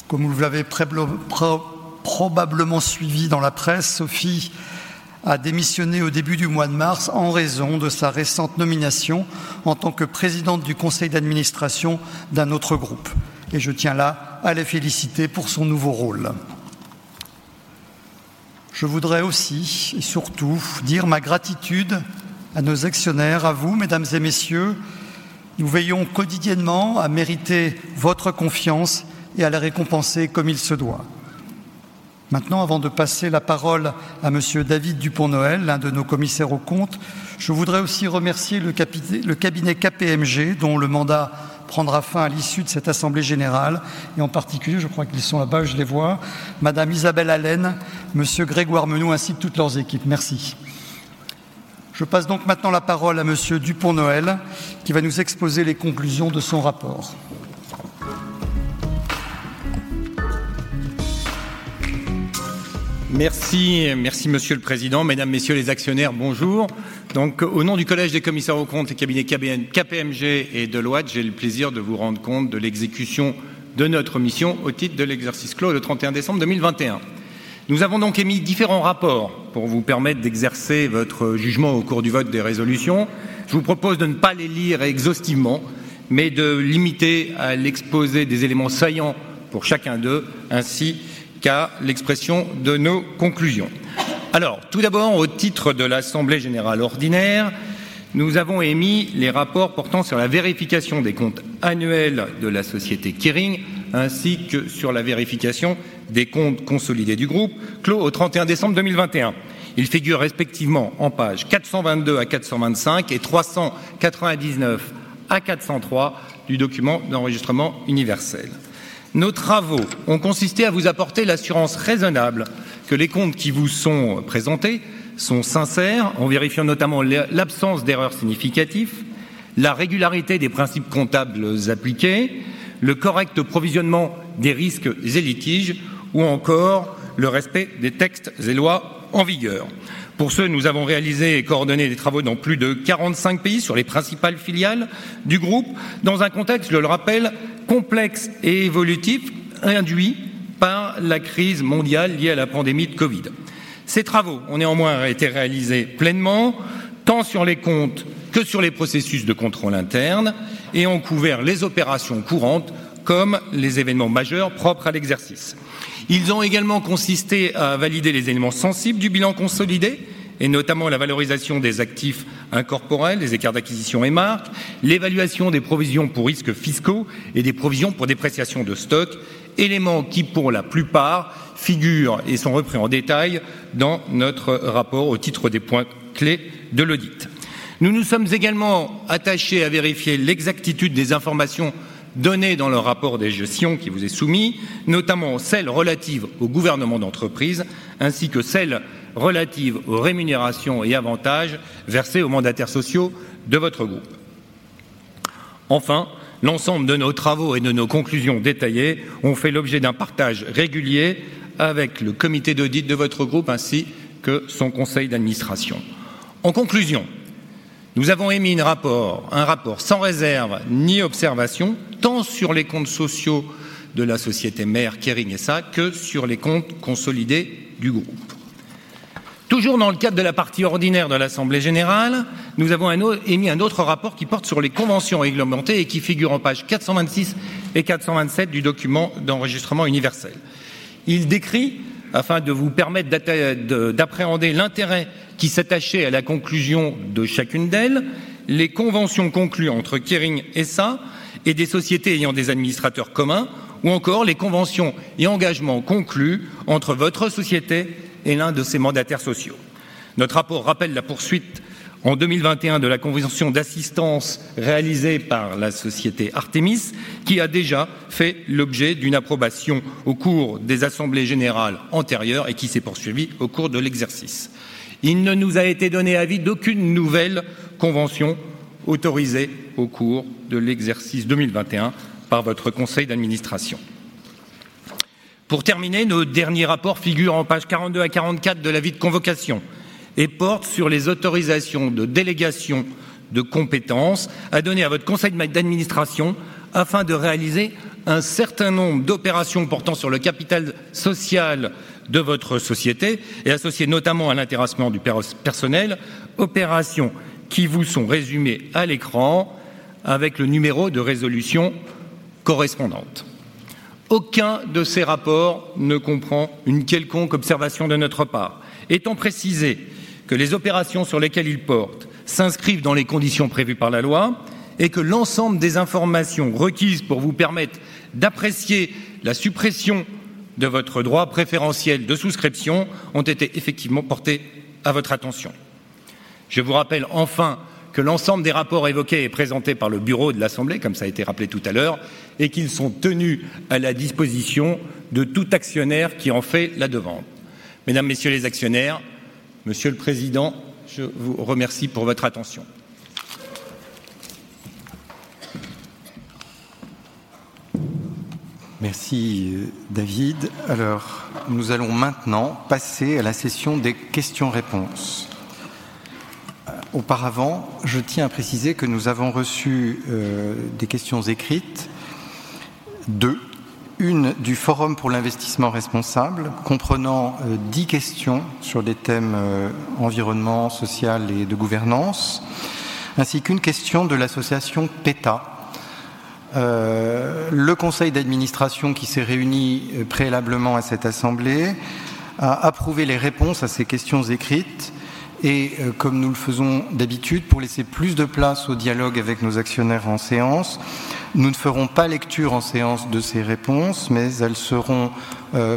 Comme vous l'avez probablement suivi dans la presse, Sophie a démissionné au début du mois de mars en raison de sa récente nomination en tant que présidente du conseil d'administration d'un autre groupe. Je tiens là à la féliciter pour son nouveau rôle. Je voudrais aussi et surtout dire ma gratitude à nos actionnaires, à vous, mesdames et messieurs. Nous veillons quotidiennement à mériter votre confiance et à la récompenser comme il se doit. Maintenant, avant de passer la parole à monsieur David Dupont-Noël, l'un de nos commissaires aux comptes, je voudrais aussi remercier le cabinet KPMG, dont le mandat prendra fin à l'issue de cette assemblée générale. En particulier, je crois qu'ils sont là-bas, je les vois, madame Isabelle Allen, monsieur Grégoire Menoux, ainsi que toutes leurs équipes. Merci. Je passe donc maintenant la parole à monsieur Dupont-Noël, qui va nous exposer les conclusions de son rapport. Merci. Merci monsieur le Président. Mesdames, messieurs les actionnaires, bonjour. Au nom du collège des commissaires aux comptes des cabinets KB-KPMG et Deloitte, j'ai le plaisir de vous rendre compte de l'exécution de notre mission au titre de l'exercice clos le 31 décembre 2021. Nous avons donc émis différents rapports pour vous permettre d'exercer votre jugement au cours du vote des résolutions. Je vous propose de ne pas les lire exhaustivement, mais de limiter à l'exposé des éléments saillants pour chacun d'eux ainsi qu'à l'expression de nos conclusions. Tout d'abord, au titre de l'assemblée générale ordinaire, nous avons émis les rapports portant sur la vérification des comptes annuels de la société Kering ainsi que sur la vérification des comptes consolidés du groupe clos au 31 décembre 2021. Ils figurent respectivement en pages 422 à 425 et 399 à 403 du document d'enregistrement universel. Nos travaux ont consisté à vous apporter l'assurance raisonnable que les comptes qui vous sont présentés sont sincères, en vérifiant notamment l'absence d'erreurs significatives, la régularité des principes comptables appliqués, le correct provisionnement des risques et litiges ou encore le respect des textes et lois en vigueur. Pour ce, nous avons réalisé et coordonné des travaux dans plus de 45 pays sur les principales filiales du groupe, dans un contexte, je le rappelle, complexe et évolutif induit par la crise mondiale liée à la pandémie de COVID-19. Ces travaux ont néanmoins été réalisés pleinement, tant sur les comptes que sur les processus de contrôle interne et ont couvert les opérations courantes comme les événements majeurs propres à l'exercice. Ils ont également consisté à valider les éléments sensibles du bilan consolidé et notamment la valorisation des actifs incorporels, les écarts d'acquisition et marques, l'évaluation des provisions pour risques fiscaux et des provisions pour dépréciations de stocks, éléments qui, pour la plupart, figurent et sont repris en détail dans notre rapport au titre des points clés de l'audit. Nous nous sommes également attachés à vérifier l'exactitude des informations données dans le rapport de gestion qui vous est soumis, notamment celles relatives au gouvernement d'entreprise ainsi que celles relatives aux rémunérations et avantages versés aux mandataires sociaux de votre groupe. Enfin, l'ensemble de nos travaux et de nos conclusions détaillées ont fait l'objet d'un partage régulier avec le comité d'audit de votre groupe ainsi que son conseil d'administration. En conclusion, nous avons émis une rapport, un rapport sans réserve ni observation, tant sur les comptes sociaux de la société mère Kering SA que sur les comptes consolidés du groupe. Toujours dans le cadre de la partie ordinaire de l'assemblée générale, nous avons émis un autre rapport qui porte sur les conventions réglementées et qui figure en pages 426 et 427 du document d'enregistrement universel. Il décrit, afin de vous permettre d'appréhender l'intérêt qui s'attachait à la conclusion de chacune d'elles, les conventions conclues entre Kering SA et des sociétés ayant des administrateurs communs ou encore les conventions et engagements conclus entre votre société et l'un de ses mandataires sociaux. Notre rapport rappelle la poursuite en 2021 de la convention d'assistance réalisée par la société Artémis, qui a déjà fait l'objet d'une approbation au cours des assemblées générales antérieures et qui s'est poursuivie au cours de l'exercice. Il ne nous a été donné avis d'aucune nouvelle convention autorisée au cours de l'exercice 2021 par votre conseil d'administration. Pour terminer, nos derniers rapports figurent en pages 42 à 44 de l'avis de convocation et portent sur les autorisations de délégation de compétences à donner à votre conseil d'administration afin de réaliser un certain nombre d'opérations portant sur le capital social de votre société et associé notamment à l'intéressement du personnel, opérations qui vous sont résumées à l'écran avec le numéro de résolution correspondante. Aucun de ces rapports ne comprend une quelconque observation de notre part. Étant précisé que les opérations sur lesquelles ils portent s'inscrivent dans les conditions prévues par la loi et que l'ensemble des informations requises pour vous permettre d'apprécier la suppression de votre droit préférentiel de souscription ont été effectivement portées à votre attention. Je vous rappelle enfin que l'ensemble des rapports évoqués est présenté par le bureau de l'Assemblée, comme ça a été rappelé tout à l'heure, et qu'ils sont tenus à la disposition de tout actionnaire qui en fait la demande. Mesdames, Messieurs les actionnaires, Monsieur le Président, je vous remercie pour votre attention. Merci David. Nous allons maintenant passer à la session des questions-réponses. Auparavant, je tiens à préciser que nous avons reçu des questions écrites, une du Forum pour l'Investissement Responsable comprenant 10 questions sur des thèmes environnement, social et de gouvernance, ainsi qu'une question de l'association PETA. Le conseil d'administration qui s'est réuni préalablement à cette assemblée a approuvé les réponses à ces questions écrites. Comme nous le faisons d'habitude, pour laisser plus de place au dialogue avec nos actionnaires en séance, nous ne ferons pas lecture en séance de ces réponses, mais elles seront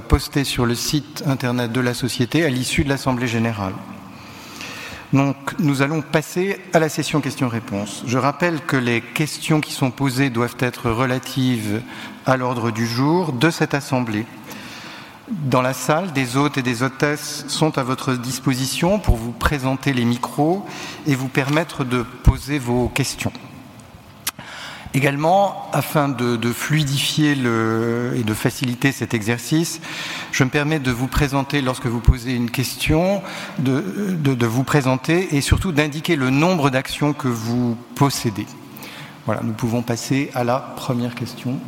postées sur le site Internet de la société à l'issue de l'assemblée générale. Nous allons passer à la session questions-réponses. Je rappelle que les questions qui sont posées doivent être relatives à l'ordre du jour de cette assemblée. Dans la salle, des hôtes et des hôtesses sont à votre disposition pour vous présenter les micros et vous permettre de poser vos questions. Également, afin de fluidifier et de faciliter cet exercice, je me permets de vous présenter lorsque vous posez une question, de vous présenter et surtout d'indiquer le nombre d'actions que vous possédez. Voilà, nous pouvons passer à la première question.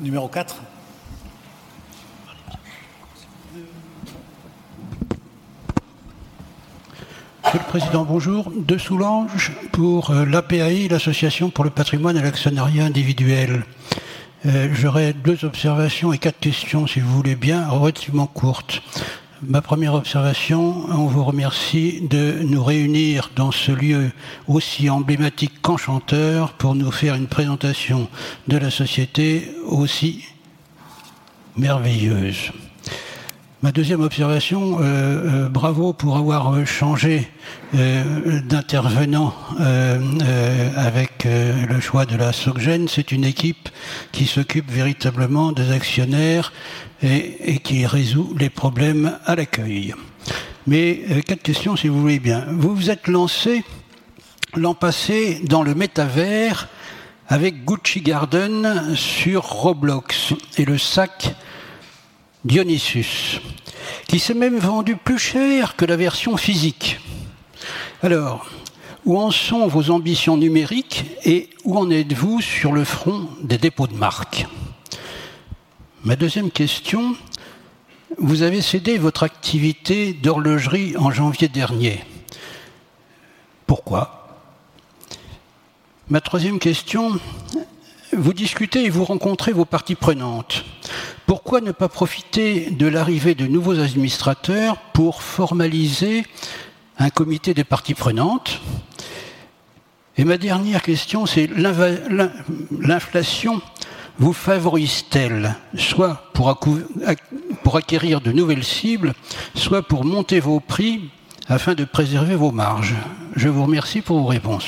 Numéro four. Monsieur le Président, bonjour. Dessoulange pour l'APAI, l'Association pour le Patrimoine et l'Actionnariat Individuel. J'aurais two observations et four questions, si vous voulez bien, relativement courtes. Ma first observation, on vous remercie de nous réunir dans ce lieu aussi emblématique qu'enchanteur pour nous faire une présentation de la société aussi merveilleuse. Ma second observation, bravo pour avoir changé d'intervenants avec le choix de la Sogedem. C'est une équipe qui s'occupe véritablement des actionnaires et qui résout les problèmes à l'accueil. four questions, si vous voulez bien. Vous vous êtes lancé l'an passé dans le metaverse avec Gucci Garden sur Roblox et le sac Dionysus, qui s'est même vendu plus cher que la version physique. Où en sont vos ambitions numériques et où en êtes-vous sur le front des dépôts de marques? Ma second question, vous avez cédé votre activité d'horlogerie en janvier dernier. Pourquoi? Ma troisième question, vous discutez et vous rencontrez vos parties prenantes. Pourquoi ne pas profiter de l'arrivée de nouveaux administrateurs pour formaliser un comité des parties prenantes? Ma dernière question, c'est l'inflation vous favorise-t-elle, soit pour acquérir de nouvelles cibles, soit pour monter vos prix afin de préserver vos marges? Je vous remercie pour vos réponses.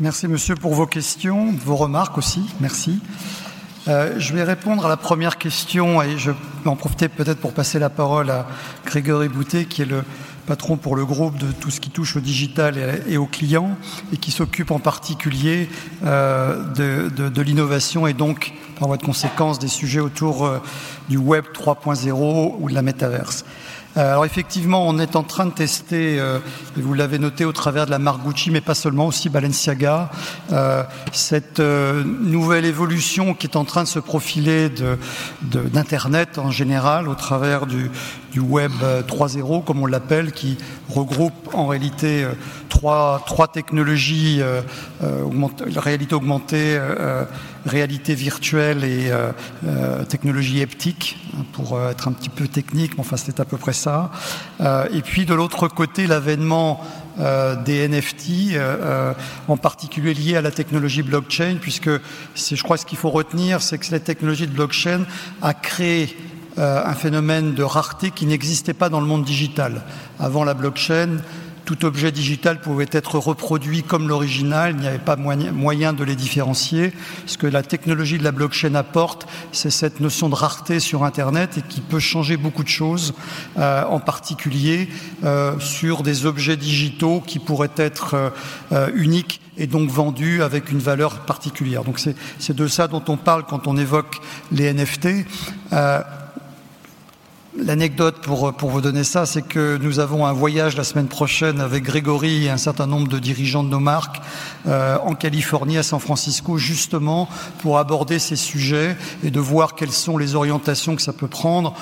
Merci Monsieur pour vos questions, vos remarques aussi. Merci. Je vais répondre à la première question et je vais en profiter peut-être pour passer la parole à Grégory Boutté, qui est le patron pour le groupe de tout ce qui touche au digital et aux clients et qui s'occupe en particulier, de l'innovation et donc, par voie de conséquence, des sujets autour du Web 3.0 ou de la metaverse. Effectivement, on est en train de tester, vous l'avez noté, au travers de la marque Gucci, mais pas seulement, aussi Balenciaga, cette nouvelle évolution qui est en train de se profiler de d'Internet en général au travers du Web 3.0, comme on l'appelle, qui regroupe en réalité three technologies: la réalité augmentée, réalité virtuelle et technologie haptique, pour être un petit peu technique. Enfin, c'est à peu près ça. De l'autre côté, l'avènement des NFT, en particulier liés à la technologie blockchain, puisque ce qui, je crois, ce qu'il faut retenir, c'est que la technologie de blockchain a créé un phénomène de rareté qui n'existait pas dans le monde digital. Avant la blockchain, tout objet digital pouvait être reproduit comme l'original, il n'y avait pas moyen de les différencier. Ce que la technologie de la blockchain apporte, c'est cette notion de rareté sur Internet et qui peut changer beaucoup de choses, en particulier, sur des objets digitaux qui pourraient être uniques et donc vendus avec une valeur particulière. Donc c'est de ça dont on parle quand on évoque les NFT. L'anecdote pour vous donner ça, c'est que nous avons un voyage la semaine prochaine avec Grégory et un certain nombre de dirigeants de nos marques, en California, à San Francisco, justement pour aborder ces sujets et de voir quelles sont les orientations que ça peut prendre.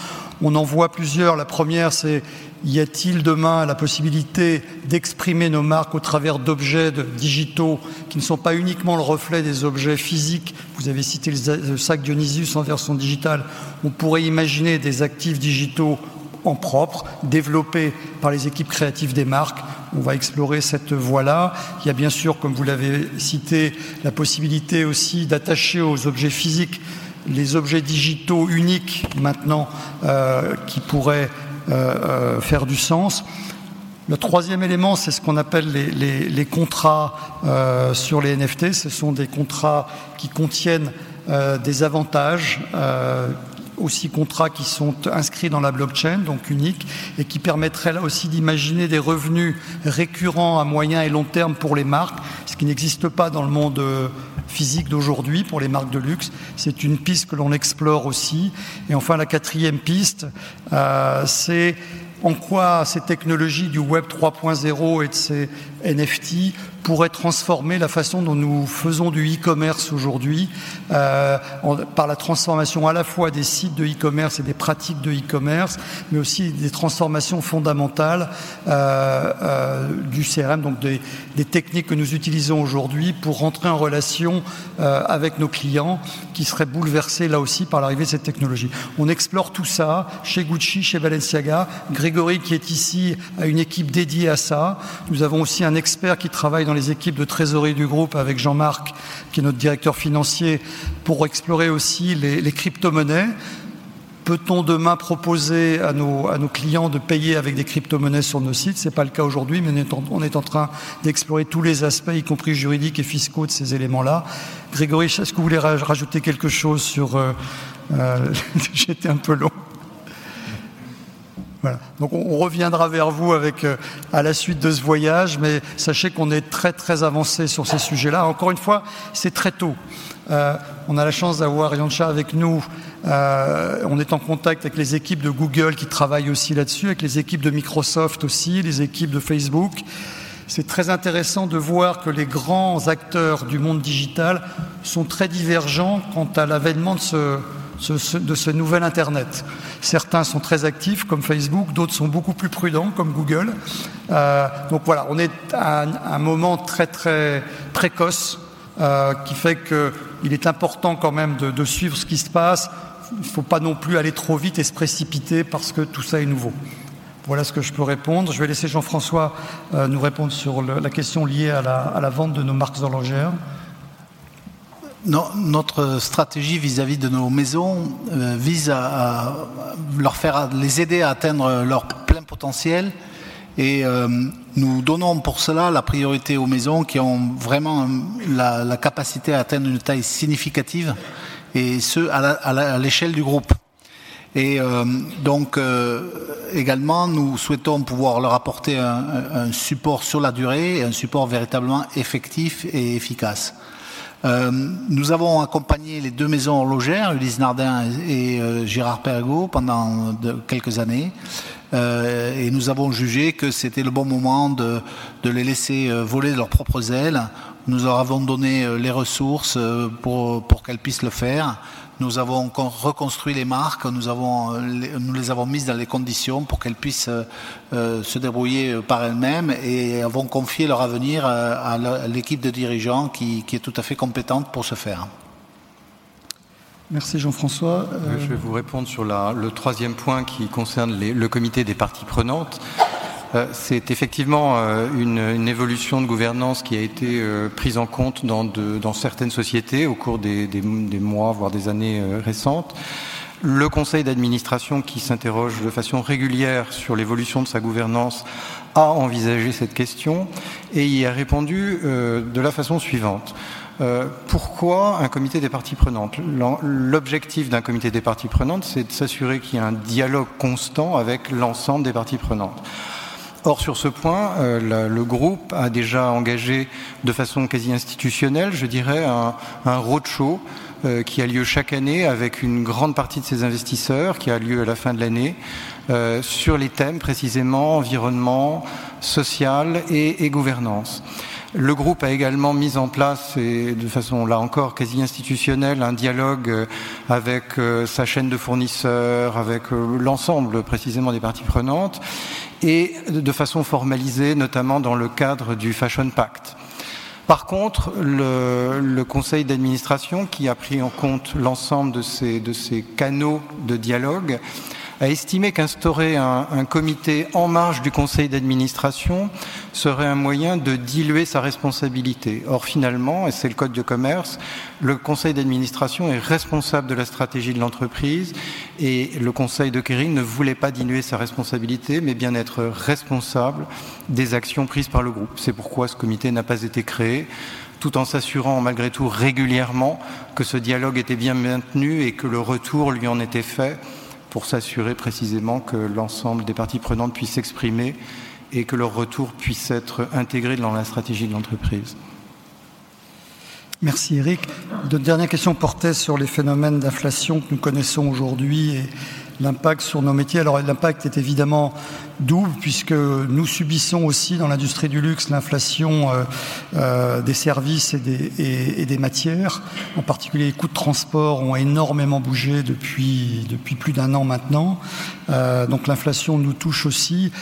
On en voit plusieurs. La première, c'est: y a-t-il demain la possibilité d'exprimer nos marques au travers d'objets digitaux qui ne sont pas uniquement le reflet des objets physiques. Vous avez cité le sac Dionysus en version digitale. On pourrait imaginer des actifs digitaux en propre, développés par les équipes créatives des marques. On va explorer cette voie-là. Il y a bien sûr, comme vous l'avez cité, la possibilité aussi d'attacher aux objets physiques les objets digitaux uniques maintenant, qui pourraient faire du sens. Le troisième élément, c'est ce qu'on appelle les contrats sur les NFT. Ce sont des contrats qui contiennent des avantages, aussi contrats qui sont inscrits dans la blockchain, donc uniques, et qui permettraient là aussi d'imaginer des revenus récurrents à moyen et long terme pour les marques, ce qui n'existe pas dans le monde physique d'aujourd'hui pour les marques de luxe. C'est une piste que l'on explore aussi. Enfin, la quatrième piste, c'est en quoi ces technologies du Web 3.0 et de ces NFT pourraient transformer la façon dont nous faisons du e-commerce aujourd'hui, par la transformation à la fois des sites de e-commerce et des pratiques de e-commerce, mais aussi des transformations fondamentales du CRM, donc des techniques que nous utilisons aujourd'hui pour rentrer en relation avec nos clients qui seraient bouleversées, là aussi, par l'arrivée de cette technologie. On explore tout ça chez Gucci, chez Balenciaga. Grégory, qui est ici, a une équipe dédiée à ça. Nous avons aussi un expert qui travaille dans les équipes de trésorerie du groupe avec Jean-Marc, qui est notre directeur financier, pour explorer aussi les cryptomonnaies. Peut-on demain proposer à nos clients de payer avec des cryptomonnaies sur nos sites? Ce n'est pas le cas aujourd'hui, on est en train d'explorer tous les aspects, y compris juridiques et fiscaux, de ces éléments-là. Grégory, est-ce que vous voulez rajouter quelque chose sur? J'ai été un peu long. Voilà. On reviendra vers vous avec, à la suite de ce voyage, sachez qu'on est très avancé sur ces sujets-là. Encore une fois, c'est très tôt. On a la chance d'avoir Ian Schafer avec nous. On est en contact avec les équipes de Google qui travaillent aussi là-dessus, avec les équipes de Microsoft aussi, les équipes de Facebook. C'est très intéressant de voir que les grands acteurs du monde digital sont très divergents quant à l'avènement de ce nouvel Internet. Certains sont très actifs, comme Facebook, d'autres sont beaucoup plus prudents, comme Google. Voilà, on est à un moment très précoce, qui fait qu'il est important quand même de suivre ce qui se passe. Il ne faut pas non plus aller trop vite et se précipiter parce que tout ça est nouveau. Voilà ce que je peux répondre. Je vais laisser Jean-François nous répondre sur la question liée à la vente de nos marques horlogères. Notre stratégie vis-à-vis de nos maisons vise à leur faire, les aider à atteindre leur plein potentiel. Nous donnons pour cela la priorité aux maisons qui ont vraiment la capacité à atteindre une taille significative, et ce, à l'échelle du groupe. Également, nous souhaitons pouvoir leur apporter un support sur la durée et un support véritablement effectif et efficace. Nous avons accompagné les two maisons horlogères, Ulysse Nardin et Girard-Perregaux, pendant quelques années. Et nous avons jugé que c'était le bon moment de les laisser voler de leurs propres ailes. Nous leur avons donné les ressources pour qu'elles puissent le faire. Nous avons reconstruit les marques, nous les avons mises dans les conditions pour qu'elles puissent se débrouiller par elles-mêmes et avons confié leur avenir à l'équipe de dirigeants qui est tout à fait compétente pour ce faire. Merci Jean-François. Je vais vous répondre sur le troisième point qui concerne le comité des parties prenantes. C'est effectivement une évolution de gouvernance qui a été prise en compte dans certaines sociétés au cours des mois, voire des années récentes. Le conseil d'administration, qui s'interroge de façon régulière sur l'évolution de sa gouvernance, a envisagé cette question et y a répondu de la façon suivante. Pourquoi un comité des parties prenantes? L'objectif d'un comité des parties prenantes, c'est de s'assurer qu'il y a un dialogue constant avec l'ensemble des parties prenantes. Sur ce point, le groupe a déjà engagé de façon quasi institutionnelle, je dirais, un road show, qui a lieu chaque année avec une grande partie de ses investisseurs, qui a lieu à la fin de l'année, sur les thèmes, précisément, environnement, social et gouvernance. Le groupe a également mis en place, et de façon là encore quasi institutionnelle, un dialogue avec sa chaîne de fournisseurs, avec l'ensemble, précisément, des parties prenantes et de façon formalisée, notamment dans le cadre du Fashion Pact. Le conseil d'administration, qui a pris en compte l'ensemble de ces canaux de dialogue, a estimé qu'instaurer un comité en marge du conseil d'administration serait un moyen de diluer sa responsabilité. Finalement, et c'est le code de commerce, le conseil d'administration est responsable de la stratégie de l'entreprise et le conseil de Kering ne voulait pas diluer sa responsabilité, mais bien être responsable des actions prises par le groupe. C'est pourquoi ce comité n'a pas été créé, tout en s'assurant malgré tout régulièrement que ce dialogue était bien maintenu et que le retour lui en était fait pour s'assurer précisément que l'ensemble des parties prenantes puissent s'exprimer et que leur retour puisse être intégré dans la stratégie de l'entreprise. Merci Éric. Notre dernière question portait sur les phénomènes d'inflation que nous connaissons aujourd'hui et l'impact sur nos métiers. L'impact est évidemment double puisque nous subissons aussi dans l'industrie du luxe l'inflation, des services et des matières. En particulier, les coûts de transport ont énormément bougé depuis plus d'un an maintenant. L'inflation nous touche aussi.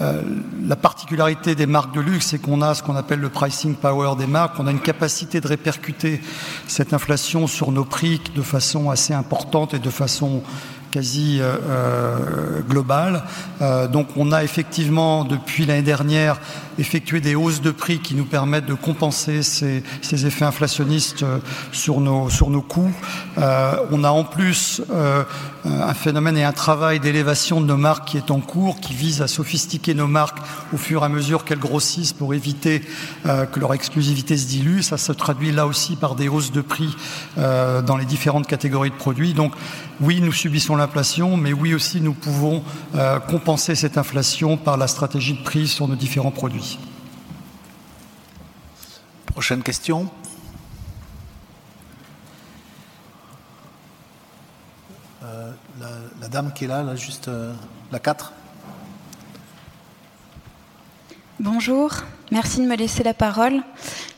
La particularité des marques de luxe, c'est qu'on a ce qu'on appelle le pricing power des marques. On a une capacité de répercuter cette inflation sur nos prix de façon assez importante et de façon quasi globale. On a effectivement, depuis l'année dernière, effectué des hausses de prix qui nous permettent de compenser ces effets inflationnistes sur nos coûts. On a en plus un phénomène et un travail d'élévation de nos marques qui est en cours, qui vise à sophistiquer nos marques au fur et à mesure qu'elles grossissent pour éviter que leur exclusivité se dilue. Ça se traduit là aussi par des hausses de prix dans les différentes catégories de produits. Oui, nous subissons l'inflation, mais oui aussi, nous pouvons compenser cette inflation par la stratégie de prix sur nos différents produits. Prochaine question. La dame qui est là. La four. Bonjour, merci de me laisser la parole.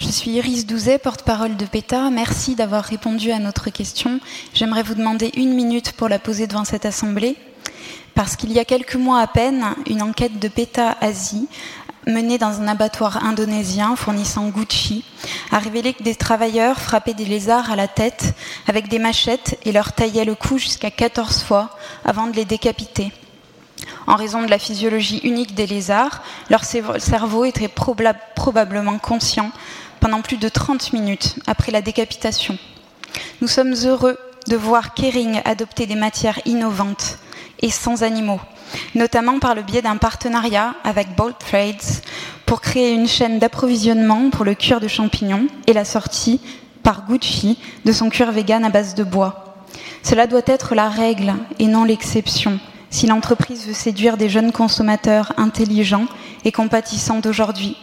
Je suis Iris Douzet, porte-parole de PETA. Merci d'avoir répondu à notre question. J'aimerais vous demander une minute pour la poser devant cette assemblée parce qu'il y a quelques mois à peine, une enquête de PETA Asia menée dans un abattoir indonésien fournissant Gucci a révélé que des travailleurs frappaient des lézards à la tête avec des machettes et leur taillaient le cou jusqu'à 14 fois avant de les décapiter. En raison de la physiologie unique des lézards, leur cerveau était probablement conscient pendant plus de 30 minutes après la décapitation. Nous sommes heureux de voir Kering adopter des matières innovantes et sans animaux, notamment par le biais d'un partenariat avec Bolt Threads pour créer une chaîne d'approvisionnement pour le cuir de champignon et la sortie par Gucci de son cuir végan à base de bois. Cela doit être la règle et non l'exception si l'entreprise veut séduire des jeunes consommateurs intelligents et compatissants d'aujourd'hui.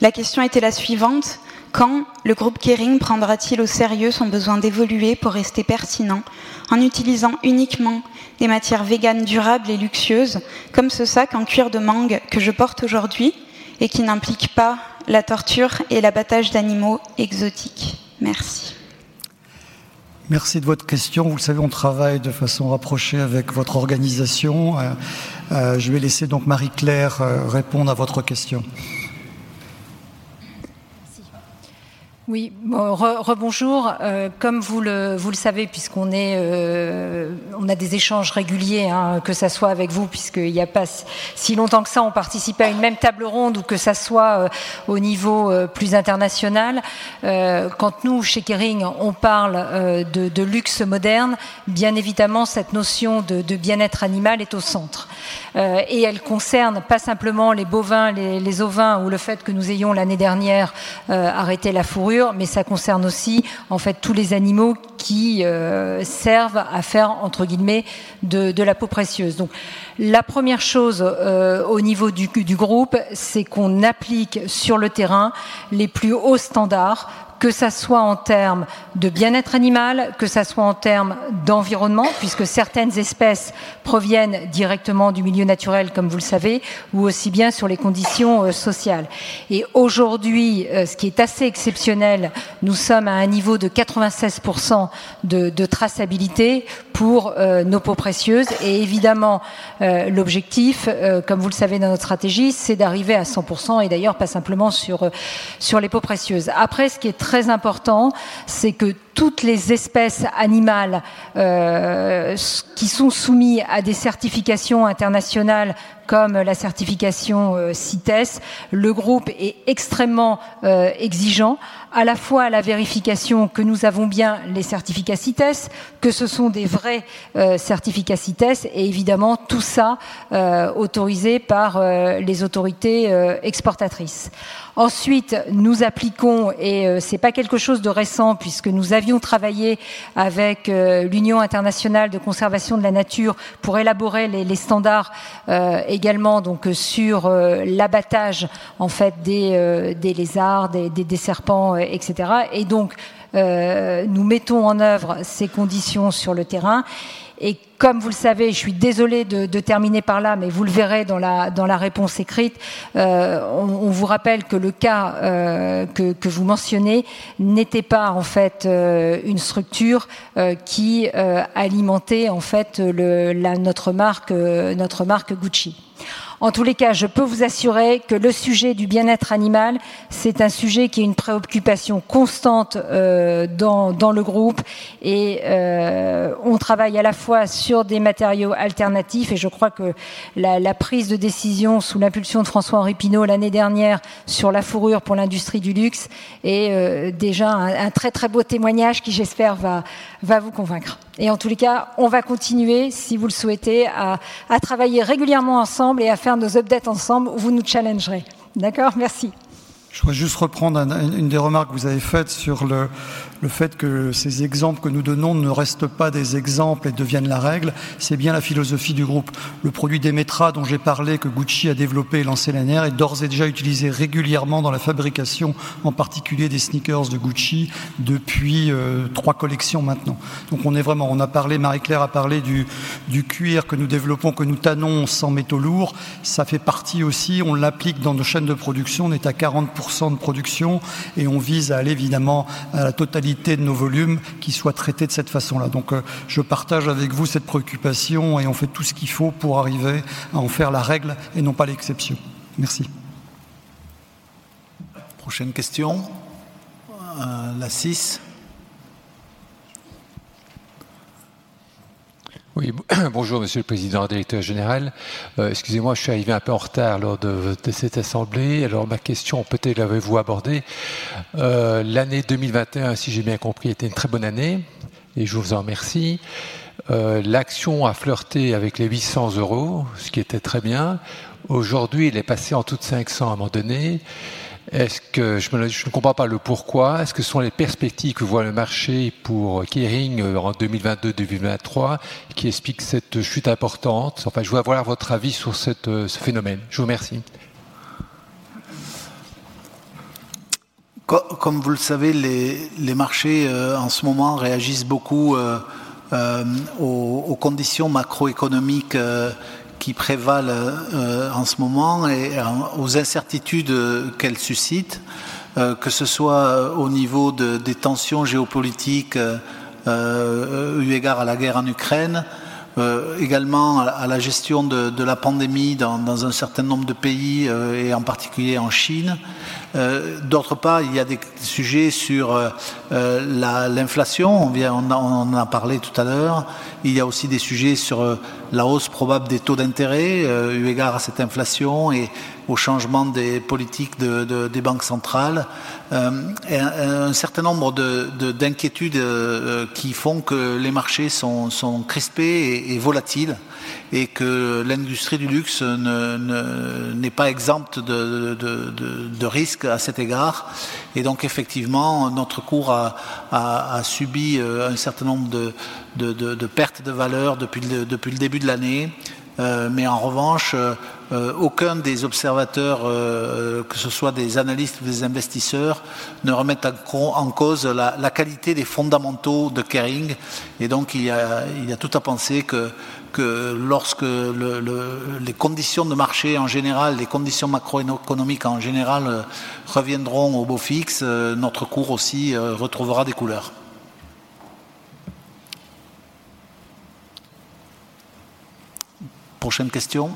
La question était la suivante: quand le groupe Kering prendra-t-il au sérieux son besoin d'évoluer pour rester pertinent en utilisant uniquement des matières véganes durables et luxueuses comme ce sac en cuir de mangue que je porte aujourd'hui et qui n'implique pas la torture et l'abattage d'animaux exotiques? Merci. Merci de votre question. Vous le savez, on travaille de façon rapprochée avec votre organisation. Je vais laisser donc Marie-Claire répondre à votre question. Oui, rebonjour. Comme vous le savez, puisqu'on est, on a des échanges réguliers, hein, que ça soit avec vous, puisque y a pas si longtemps que ça, on participait à une même table ronde ou que ça soit au niveau plus international. Quand nous, chez Kering, on parle de luxe moderne, bien évidemment, cette notion de bien-être animal est au centre. Et elle concerne pas simplement les bovins, les ovins ou le fait que nous ayons l'année dernière arrêté la fourrure, mais ça concerne aussi en fait tous les animaux qui servent à faire, entre guillemets, de la peau précieuse. La première chose, au niveau du groupe, c'est qu'on applique sur le terrain les plus hauts standards, que ça soit en termes de bien-être animal, que ça soit en termes d'environnement, puisque certaines espèces proviennent directement du milieu naturel, comme vous le savez, ou aussi bien sur les conditions sociales. Aujourd'hui, ce qui est assez exceptionnel, nous sommes à un niveau de 96% de traçabilité pour nos peaux précieuses. Évidemment, l'objectif, comme vous le savez, dans notre stratégie, c'est d'arriver à 100% et d'ailleurs, pas simplement sur les peaux précieuses. Ce qui est très important, c'est que toutes les espèces animales qui sont soumis à des certifications internationales comme la certification CITES, le groupe est extrêmement exigeant à la fois à la vérification que nous avons bien les certificats CITES, que ce sont des vrais certificats CITES et évidemment tout ça autorisé par les autorités exportatrices. Ensuite, nous appliquons, c'est pas quelque chose de récent puisque nous avions travaillé avec l'Union internationale de conservation de la nature pour élaborer les standards également, donc, sur l'abattage, en fait, des lézards, des serpents, etc. Nous mettons en œuvre ces conditions sur le terrain. Comme vous le savez, je suis désolée de terminer par là, mais vous le verrez dans la réponse écrite, on vous rappelle que le cas que vous mentionnez n'était pas, en fait, une structure qui alimentait, en fait, la notre marque Gucci. En tous les cas, je peux vous assurer que le sujet du bien-être animal, c'est un sujet qui est une préoccupation constante dans le groupe. On travaille à la fois sur des matériaux alternatifs et je crois que la prise de décision sous l'impulsion de François-Henri Pinault l'année dernière sur la fourrure pour l'industrie du luxe est déjà un très très beau témoignage qui, j'espère, va vous convaincre. En tous les cas, on va continuer, si vous le souhaitez, à travailler régulièrement ensemble et à faire nos updates ensemble. Vous nous challengerez. D'accord? Merci. Je voudrais juste reprendre une des remarques que vous avez faites sur le fait que ces exemples que nous donnons ne restent pas des exemples et deviennent la règle. C'est bien la philosophie du groupe. Le produit Demetra, dont j'ai parlé, que Gucci a développé et lancé l'année dernière, est d'ores et déjà utilisé régulièrement dans la fabrication, en particulier des sneakers de Gucci, depuis three collections maintenant. On a parlé, Marie-Claire a parlé du cuir que nous développons, que nous tannons sans métaux lourds. Ça fait partie aussi, on l'applique dans nos chaînes de production. On est à 40% de production et on vise à aller évidemment à la totalité de nos volumes qui soient traités de cette façon-là. Je partage avec vous cette préoccupation et on fait tout ce qu'il faut pour arriver à en faire la règle et non pas l'exception. Merci. Prochaine question. la six. Bonjour Monsieur le Président-Directeur Général. Excusez-moi, je suis arrivé un peu en retard lors de cette assemblée. Ma question, peut-être l'avez-vous abordée. L'année 2021, si j'ai bien compris, était une très bonne année et je vous en remercie. L'action a flirté avec les 800 euros, ce qui était très bien. Aujourd'hui, elle est passée en dessous de 500 à un moment donné. Je ne comprends pas le pourquoi. Est-ce que ce sont les perspectives que voit le marché pour Kering en 2022, 2023 qui expliquent cette chute importante? Je voudrais avoir votre avis sur ce phénomène. Je vous remercie. Comme vous le savez, les marchés en ce moment réagissent beaucoup aux conditions macroéconomiques qui prévalent en ce moment et aux incertitudes qu'elles suscitent, que ce soit au niveau des tensions géopolitiques eu égard à la guerre en Ukraine, également à la gestion de la pandémie dans un certain nombre de pays et en particulier en Chine. D'autre part, il y a des sujets sur l'inflation. On en a parlé tout à l'heure. Il y a aussi des sujets sur la hausse probable des taux d'intérêt eu égard à cette inflation et au changement des politiques des banques centrales. Un certain nombre d'inquiétudes qui font que les marchés sont crispés et volatiles et que l'industrie du luxe n'est pas exempte de risques à cet égard. Donc, effectivement, notre cours a subi un certain nombre de pertes de valeurs depuis le début de l'année. En revanche, aucun des observateurs, que ce soit des analystes ou des investisseurs, ne remettent en cause la qualité des fondamentaux de Kering. Donc il y a tout à penser que lorsque les conditions de marché en général, les conditions macroéconomiques en général reviendront au beau fixe, notre cours aussi retrouvera des couleurs. Prochaine question.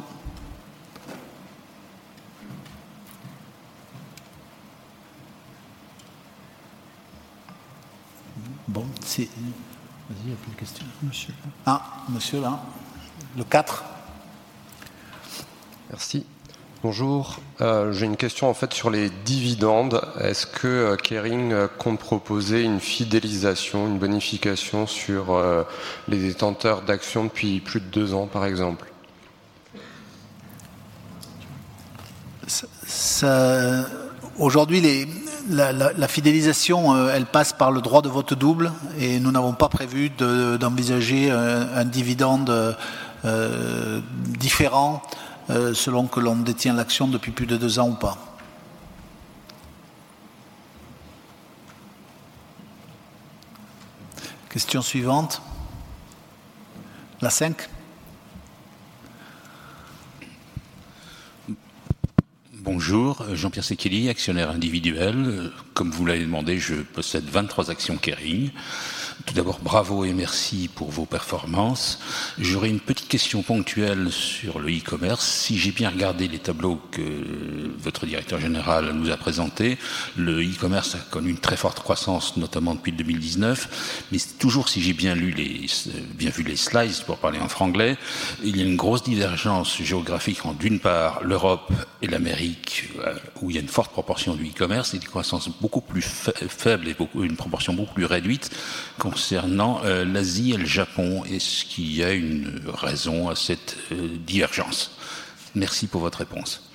Vas-y, il n'y a plus de questions. Monsieur, là. Le four. Merci. Bonjour. J'ai une question en fait sur les dividendes. Est-ce que Kering compte proposer une fidélisation, une bonification sur les détenteurs d'actions depuis plus de two ans, par exemple? Ça, aujourd'hui, la fidélisation, elle passe par le droit de vote double. Nous n'avons pas prévu d'envisager un dividende différent selon que l'on détient l'action depuis plus de two ans ou pas. Question suivante. La five. Bonjour, Jean-Pierre Denis, actionnaire individuel. Comme vous l'avez demandé, je possède 23 actions Kering. Tout d'abord, bravo et merci pour vos performances. J'aurais une petite question ponctuelle sur le e-commerce. Si j'ai bien regardé les tableaux que votre directeur général nous a présentés, le e-commerce a connu une très forte croissance, notamment depuis 2019. Mais toujours, si j'ai bien lu les, bien vu les slides, pour parler en franglais, il y a une grosse divergence géographique entre, d'une part, l'Europe et l'Amérique, où il y a une forte proportion de e-commerce et une croissance beaucoup plus faible et une proportion beaucoup plus réduite concernant l'Asie et le Japon. Est-ce qu'il y a une raison à cette divergence? Merci pour votre réponse.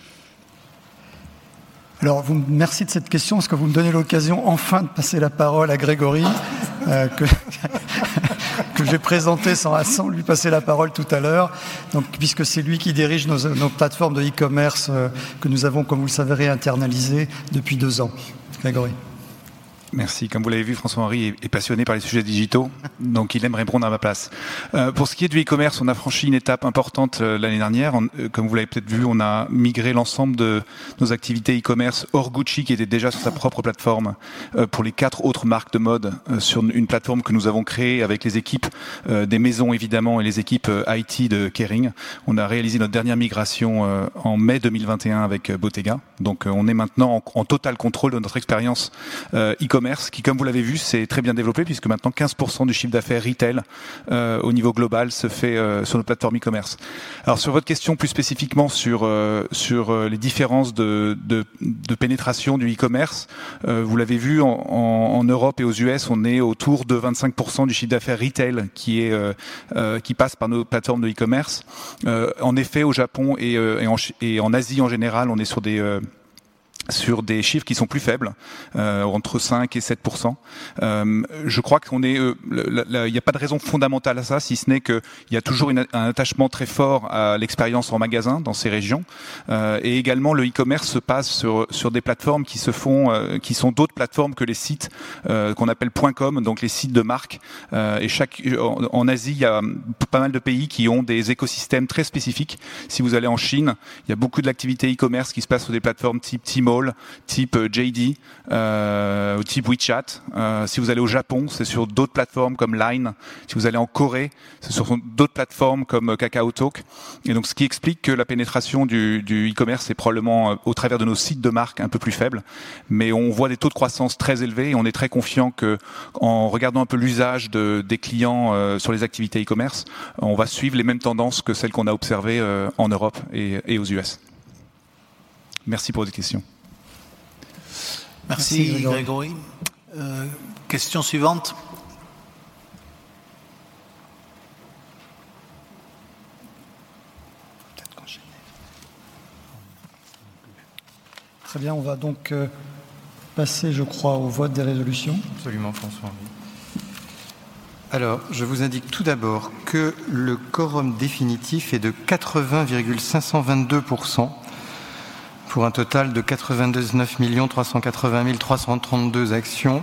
Vous me merci de cette question parce que vous me donnez l'occasion enfin de passer la parole à Grégory, que j'ai présenté sans lui passer la parole tout à l'heure. Puisque c'est lui qui dirige nos plateformes de e-commerce que nous avons, comme vous le savez, internalisées depuis two ans. Grégory. Merci. Comme vous l'avez vu, François-Henri est passionné par les sujets digitaux, il aime répondre à ma place. Pour ce qui est du e-commerce, on a franchi une étape importante l'année dernière. Comme vous l'avez peut-être vu, on a migré l'ensemble de nos activités e-commerce hors Gucci, qui était déjà sur sa propre plateforme, pour les four autres marques de mode sur une plateforme que nous avons créée avec les équipes, des maisons, évidemment, et les équipes IT de Kering. On a réalisé notre dernière migration, en mai 2021 avec Bottega. On est maintenant en total contrôle de notre expérience, e-commerce qui, comme vous l'avez vu, s'est très bien développée puisque maintenant 15% du chiffre d'affaires retail, au niveau global se fait sur nos plateformes e-commerce. Sur votre question, plus spécifiquement sur les différences de pénétration du e-commerce, vous l'avez vu, en Europe et aux US, on est autour de 25% du chiffre d'affaires retail qui passe par nos plateformes de e-commerce. En effet, au Japon et en Asie en général, on est sur des chiffres qui sont plus faibles, entre 5% et 7%. Je crois qu'on est, il n'y a pas de raison fondamentale à ça, si ce n'est qu'il y a toujours un attachement très fort à l'expérience en magasin dans ces régions. Et également, le e-commerce se passe sur des plateformes qui se font qui sont d'autres plateformes que les sites qu'on appelle point com, donc les sites de marques. En Asie, il y a pas mal de pays qui ont des écosystèmes très spécifiques. Si vous allez en Chine, il y a beaucoup de l'activité e-commerce qui se passe sur des plateformes type Tmall, type JD.com, ou type WeChat. Si vous allez au Japon, c'est sur d'autres plateformes comme LINE. Si vous allez en Corée, ce seront d'autres plateformes comme KakaoTalk. Donc, ce qui explique que la pénétration du e-commerce est probablement au travers de nos sites de marques un peu plus faible. Mais on voit des taux de croissance très élevés et on est très confiants que en regardant un peu l'usage des clients sur les activités e-commerce, on va suivre les mêmes tendances que celles qu'on a observées en Europe et aux U.S. Merci pour vos questions. Merci Grégory. question suivante. Très bien, on va donc passer, je crois, au vote des résolutions. Absolument, François-Henri. Je vous indique tout d'abord que le quorum définitif est de 80.522% pour un total de 89,380,332 actions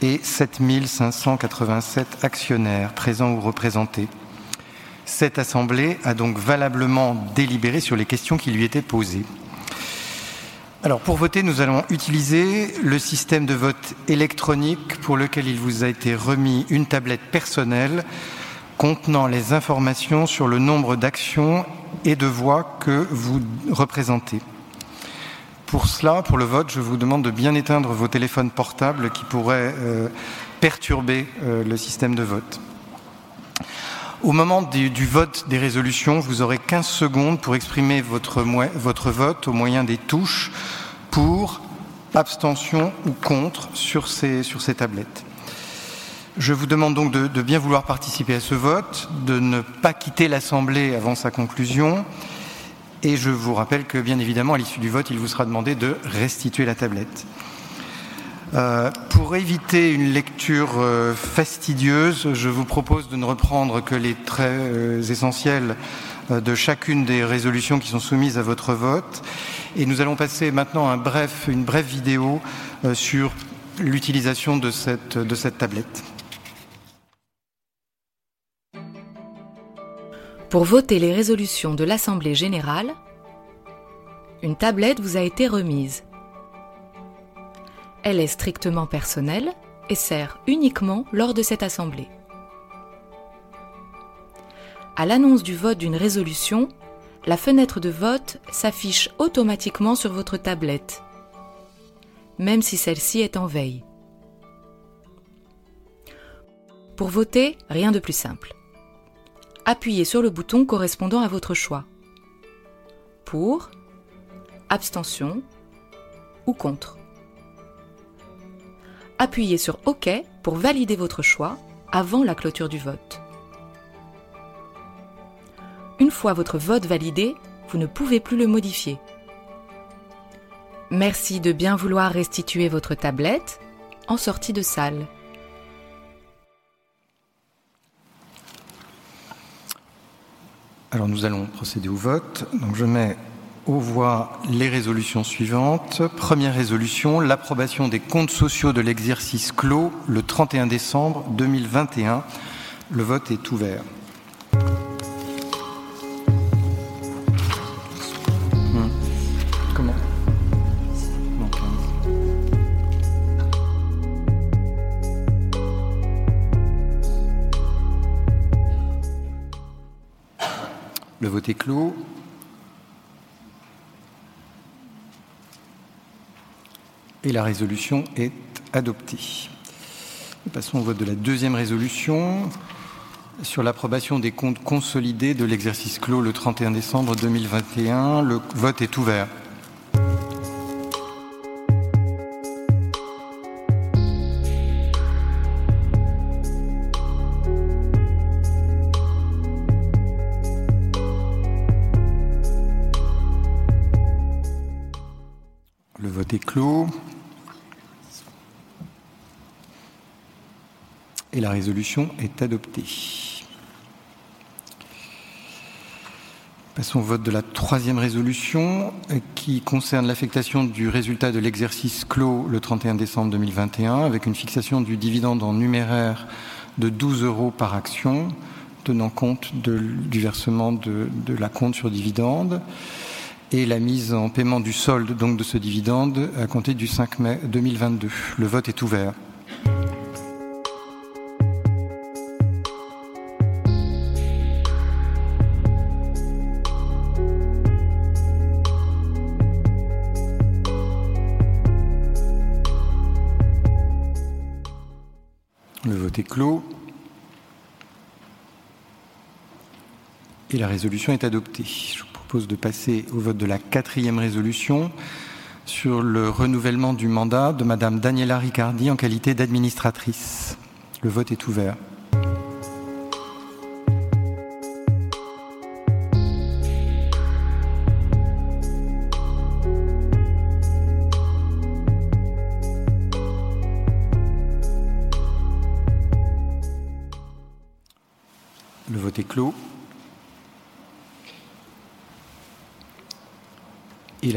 et 7,587 actionnaires présents ou représentés. Cette assemblée a donc valablement délibéré sur les questions qui lui étaient posées. Pour voter, nous allons utiliser le système de vote électronique pour lequel il vous a été remis une tablette personnelle contenant les informations sur le nombre d'actions et de voix que vous représentez. Pour cela, pour le vote, je vous demande de bien éteindre vos téléphones portables qui pourraient perturber le système de vote. Au moment du vote des résolutions, vous aurez 15 secondes pour exprimer votre vote au moyen des touches pour abstention ou contre sur ces tablettes. Je vous demande donc de bien vouloir participer à ce vote, de ne pas quitter l'assemblée avant sa conclusion. Je vous rappelle que bien évidemment, à l'issue du vote, il vous sera demandé de restituer la tablette. Pour éviter une lecture fastidieuse, je vous propose de ne reprendre que les traits essentiels de chacune des résolutions qui sont soumises à votre vote. Nous allons passer maintenant à une brève vidéo sur l'utilisation de cette tablette. Pour voter les résolutions de l'assemblée générale, une tablette vous a été remise. Elle est strictement personnelle et sert uniquement lors de cette assemblée. À l'annonce du vote d'une résolution, la fenêtre de vote s'affiche automatiquement sur votre tablette, même si celle-ci est en veille. Pour voter, rien de plus simple. Appuyez sur le bouton correspondant à votre choix. Pour, abstention ou contre. Appuyez sur OK pour valider votre choix avant la clôture du vote. Une fois votre vote validé, vous ne pouvez plus le modifier. Merci de bien vouloir restituer votre tablette en sortie de salle. Nous allons procéder au vote. Je mets aux voix les résolutions suivantes. Première résolution: l'approbation des comptes sociaux de l'exercice clos le 31 décembre 2021. Le vote est ouvert. Le vote est clos et la résolution est adoptée. Passons au vote de la deuxième résolution sur l'approbation des comptes consolidés de l'exercice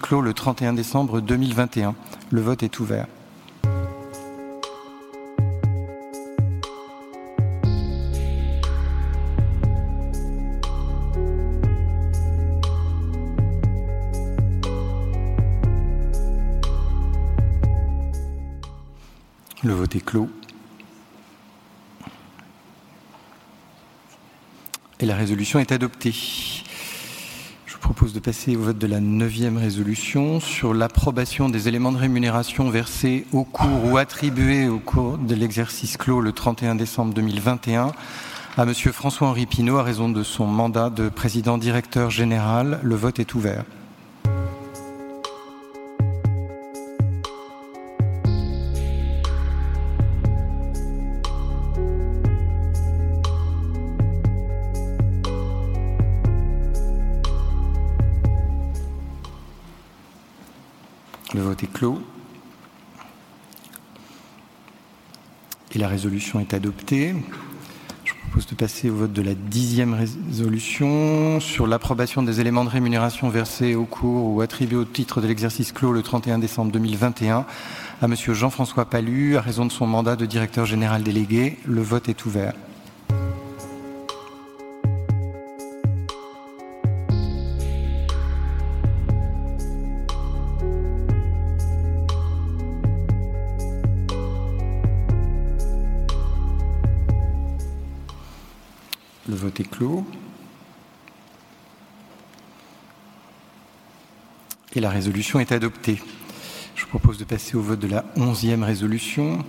clos le 31 décembre 2021. Le vote est ouvert. Le vote est clos. La résolution est adoptée. Je vous propose de passer au vote de la 10ème résolution sur l'approbation des éléments de rémunération versés au cours ou attribués au titre de l'exercice clos le 31 décembre 2021 à Monsieur Jean-François Palus à raison de son mandat de Directeur général délégué. Le vote est ouvert. Le vote est clos. La résolution est adoptée. Je vous propose de passer au vote de la 11th résolution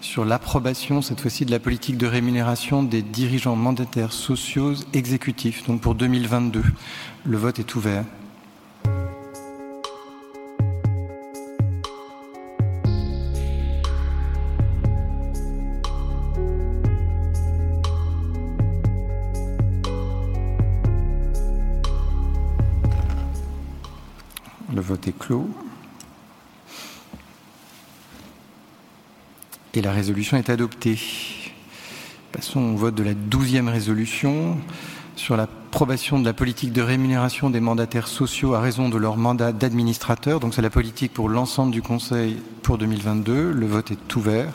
sur l'approbation, cette fois-ci, de la politique de rémunération des dirigeants mandataires sociaux exécutifs, donc pour 2022. Le vote est ouvert. Le vote est clos. La résolution est adoptée. Passons au vote de la 12th résolution sur l'approbation de la politique de rémunération des mandataires sociaux à raison de leur mandat d'administrateur. C'est la politique pour l'ensemble du conseil pour 2022. Le vote est ouvert.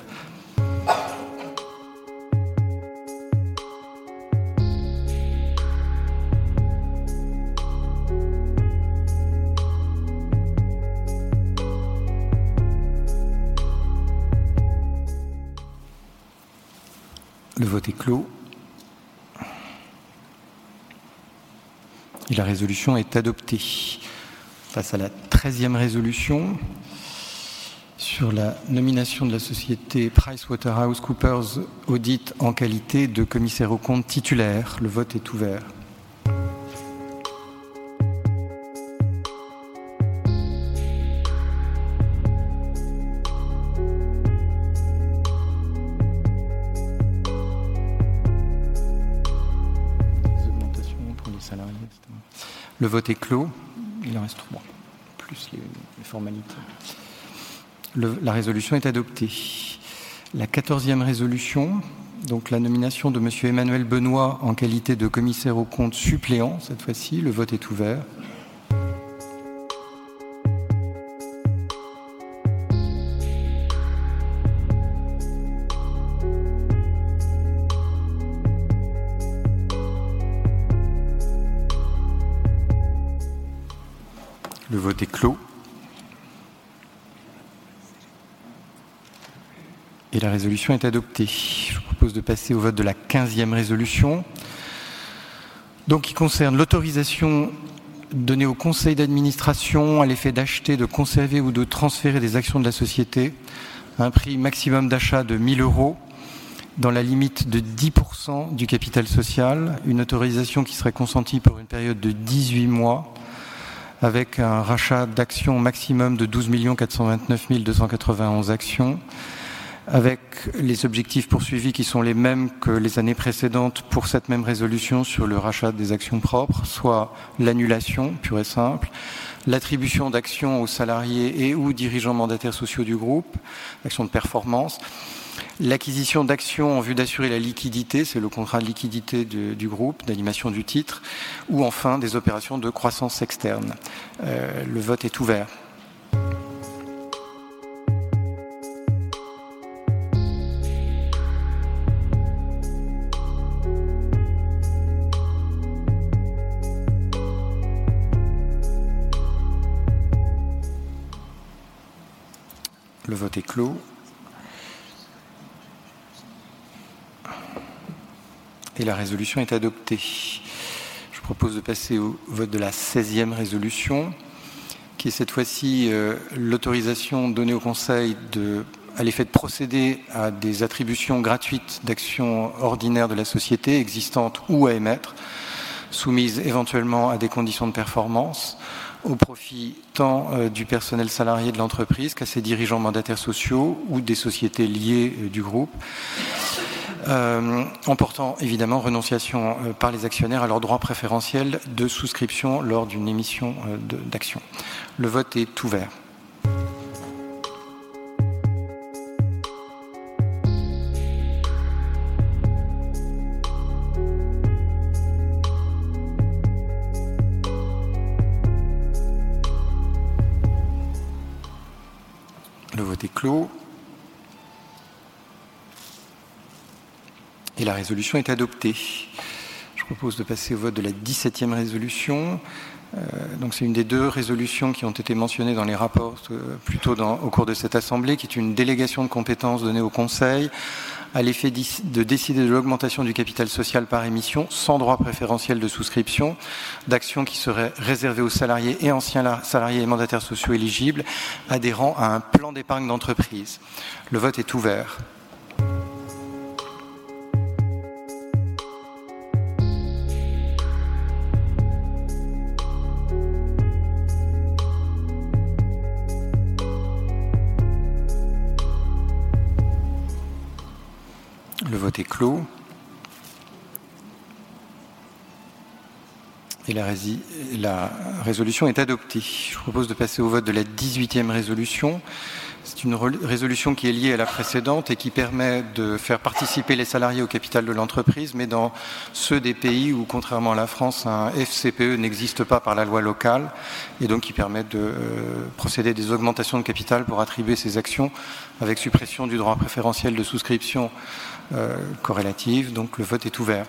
Le vote est clos. La résolution est adoptée. Face à la 13th résolution sur la nomination de la société PricewaterhouseCoopers Audit en qualité de commissaire aux comptes titulaires. Le vote est ouvert. Le vote est clos. Il en reste three. Plus les formalités. La résolution est adoptée. La 14th résolution, la nomination de monsieur Emmanuel Benoît en qualité de commissaire aux comptes suppléants, cette fois-ci. Le vote est ouvert. Le vote est clos. La résolution est adoptée. Je vous propose de passer au vote de la 15th résolution. Qui concerne l'autorisation donnée au conseil d'administration à l'effet d'acheter, de conserver ou de transférer des actions de la société à un prix maximum d'achat de 1,000 euros dans la limite de 10% du capital social. Une autorisation qui serait consentie pour une période de 18 mois avec un rachat d'actions maximum de 12,429,291 actions, avec les objectifs poursuivis qui sont les mêmes que les années précédentes pour cette même résolution sur le rachat des actions propres, soit l'annulation pure et simple, l'attribution d'actions aux salariés et ou dirigeants mandataires sociaux du groupe, actions de performance, l'acquisition d'actions en vue d'assurer la liquidité, c'est le contrat de liquidité de, du groupe, d'animation du titre, ou enfin des opérations de croissance externe. Le vote est ouvert. Le vote est clos. La résolution est adoptée. Je propose de passer au vote de la 16e résolution qui est cette fois-ci l'autorisation donnée au conseil à l'effet de procéder à des attributions gratuites d'actions ordinaires de la société existantes ou à émettre, soumises éventuellement à des conditions de performance au profit tant du personnel salarié de l'entreprise qu'à ses dirigeants mandataires sociaux ou des sociétés liées du groupe, emportant évidemment renonciation par les actionnaires à leur droit préférentiel de souscription lors d'une émission d'actions. Le vote est ouvert. Le vote est clos. La résolution est adoptée. Je propose de passer au vote de la 17e résolution. donc c'est une des two résolutions qui ont été mentionnées dans les rapports au cours de cette assemblée, qui est une délégation de compétences donnée au Conseil à l'effet d'ici, de décider de l'augmentation du capital social par émission sans droit préférentiel de souscription d'actions qui seraient réservées aux salariés et anciens salariés et mandataires sociaux éligibles adhérant à un plan d'épargne d'entreprise. Le vote est ouvert. Le vote est clos. La résolution est adoptée. Je propose de passer au vote de la 18e résolution. C'est une résolution qui est liée à la précédente et qui permet de faire participer les salariés au capital de l'entreprise, mais dans ceux des pays où contrairement à la France, un FCPE n'existe pas par la loi locale et donc qui permet de procéder à des augmentations de capital pour attribuer ces actions avec suppression du droit préférentiel de souscription corrélative. Le vote est ouvert.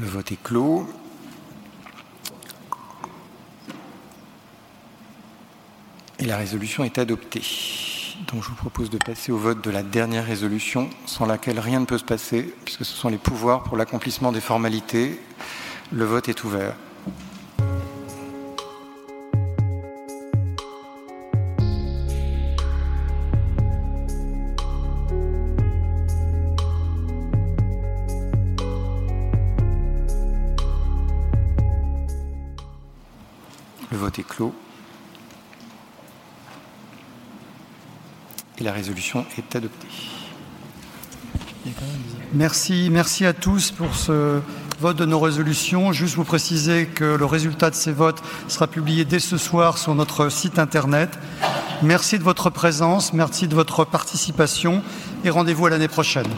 Le vote est clos. La résolution est adoptée. Je vous propose de passer au vote de la dernière résolution sans laquelle rien ne peut se passer puisque ce sont les pouvoirs pour l'accomplissement des formalités. Le vote est ouvert. Le vote est clos. La résolution est adoptée. Merci. Merci à tous pour ce vote de nos résolutions. Juste vous préciser que le résultat de ces votes sera publié dès ce soir sur notre site internet. Merci de votre présence, merci de votre participation et rendez-vous à l'année prochaine.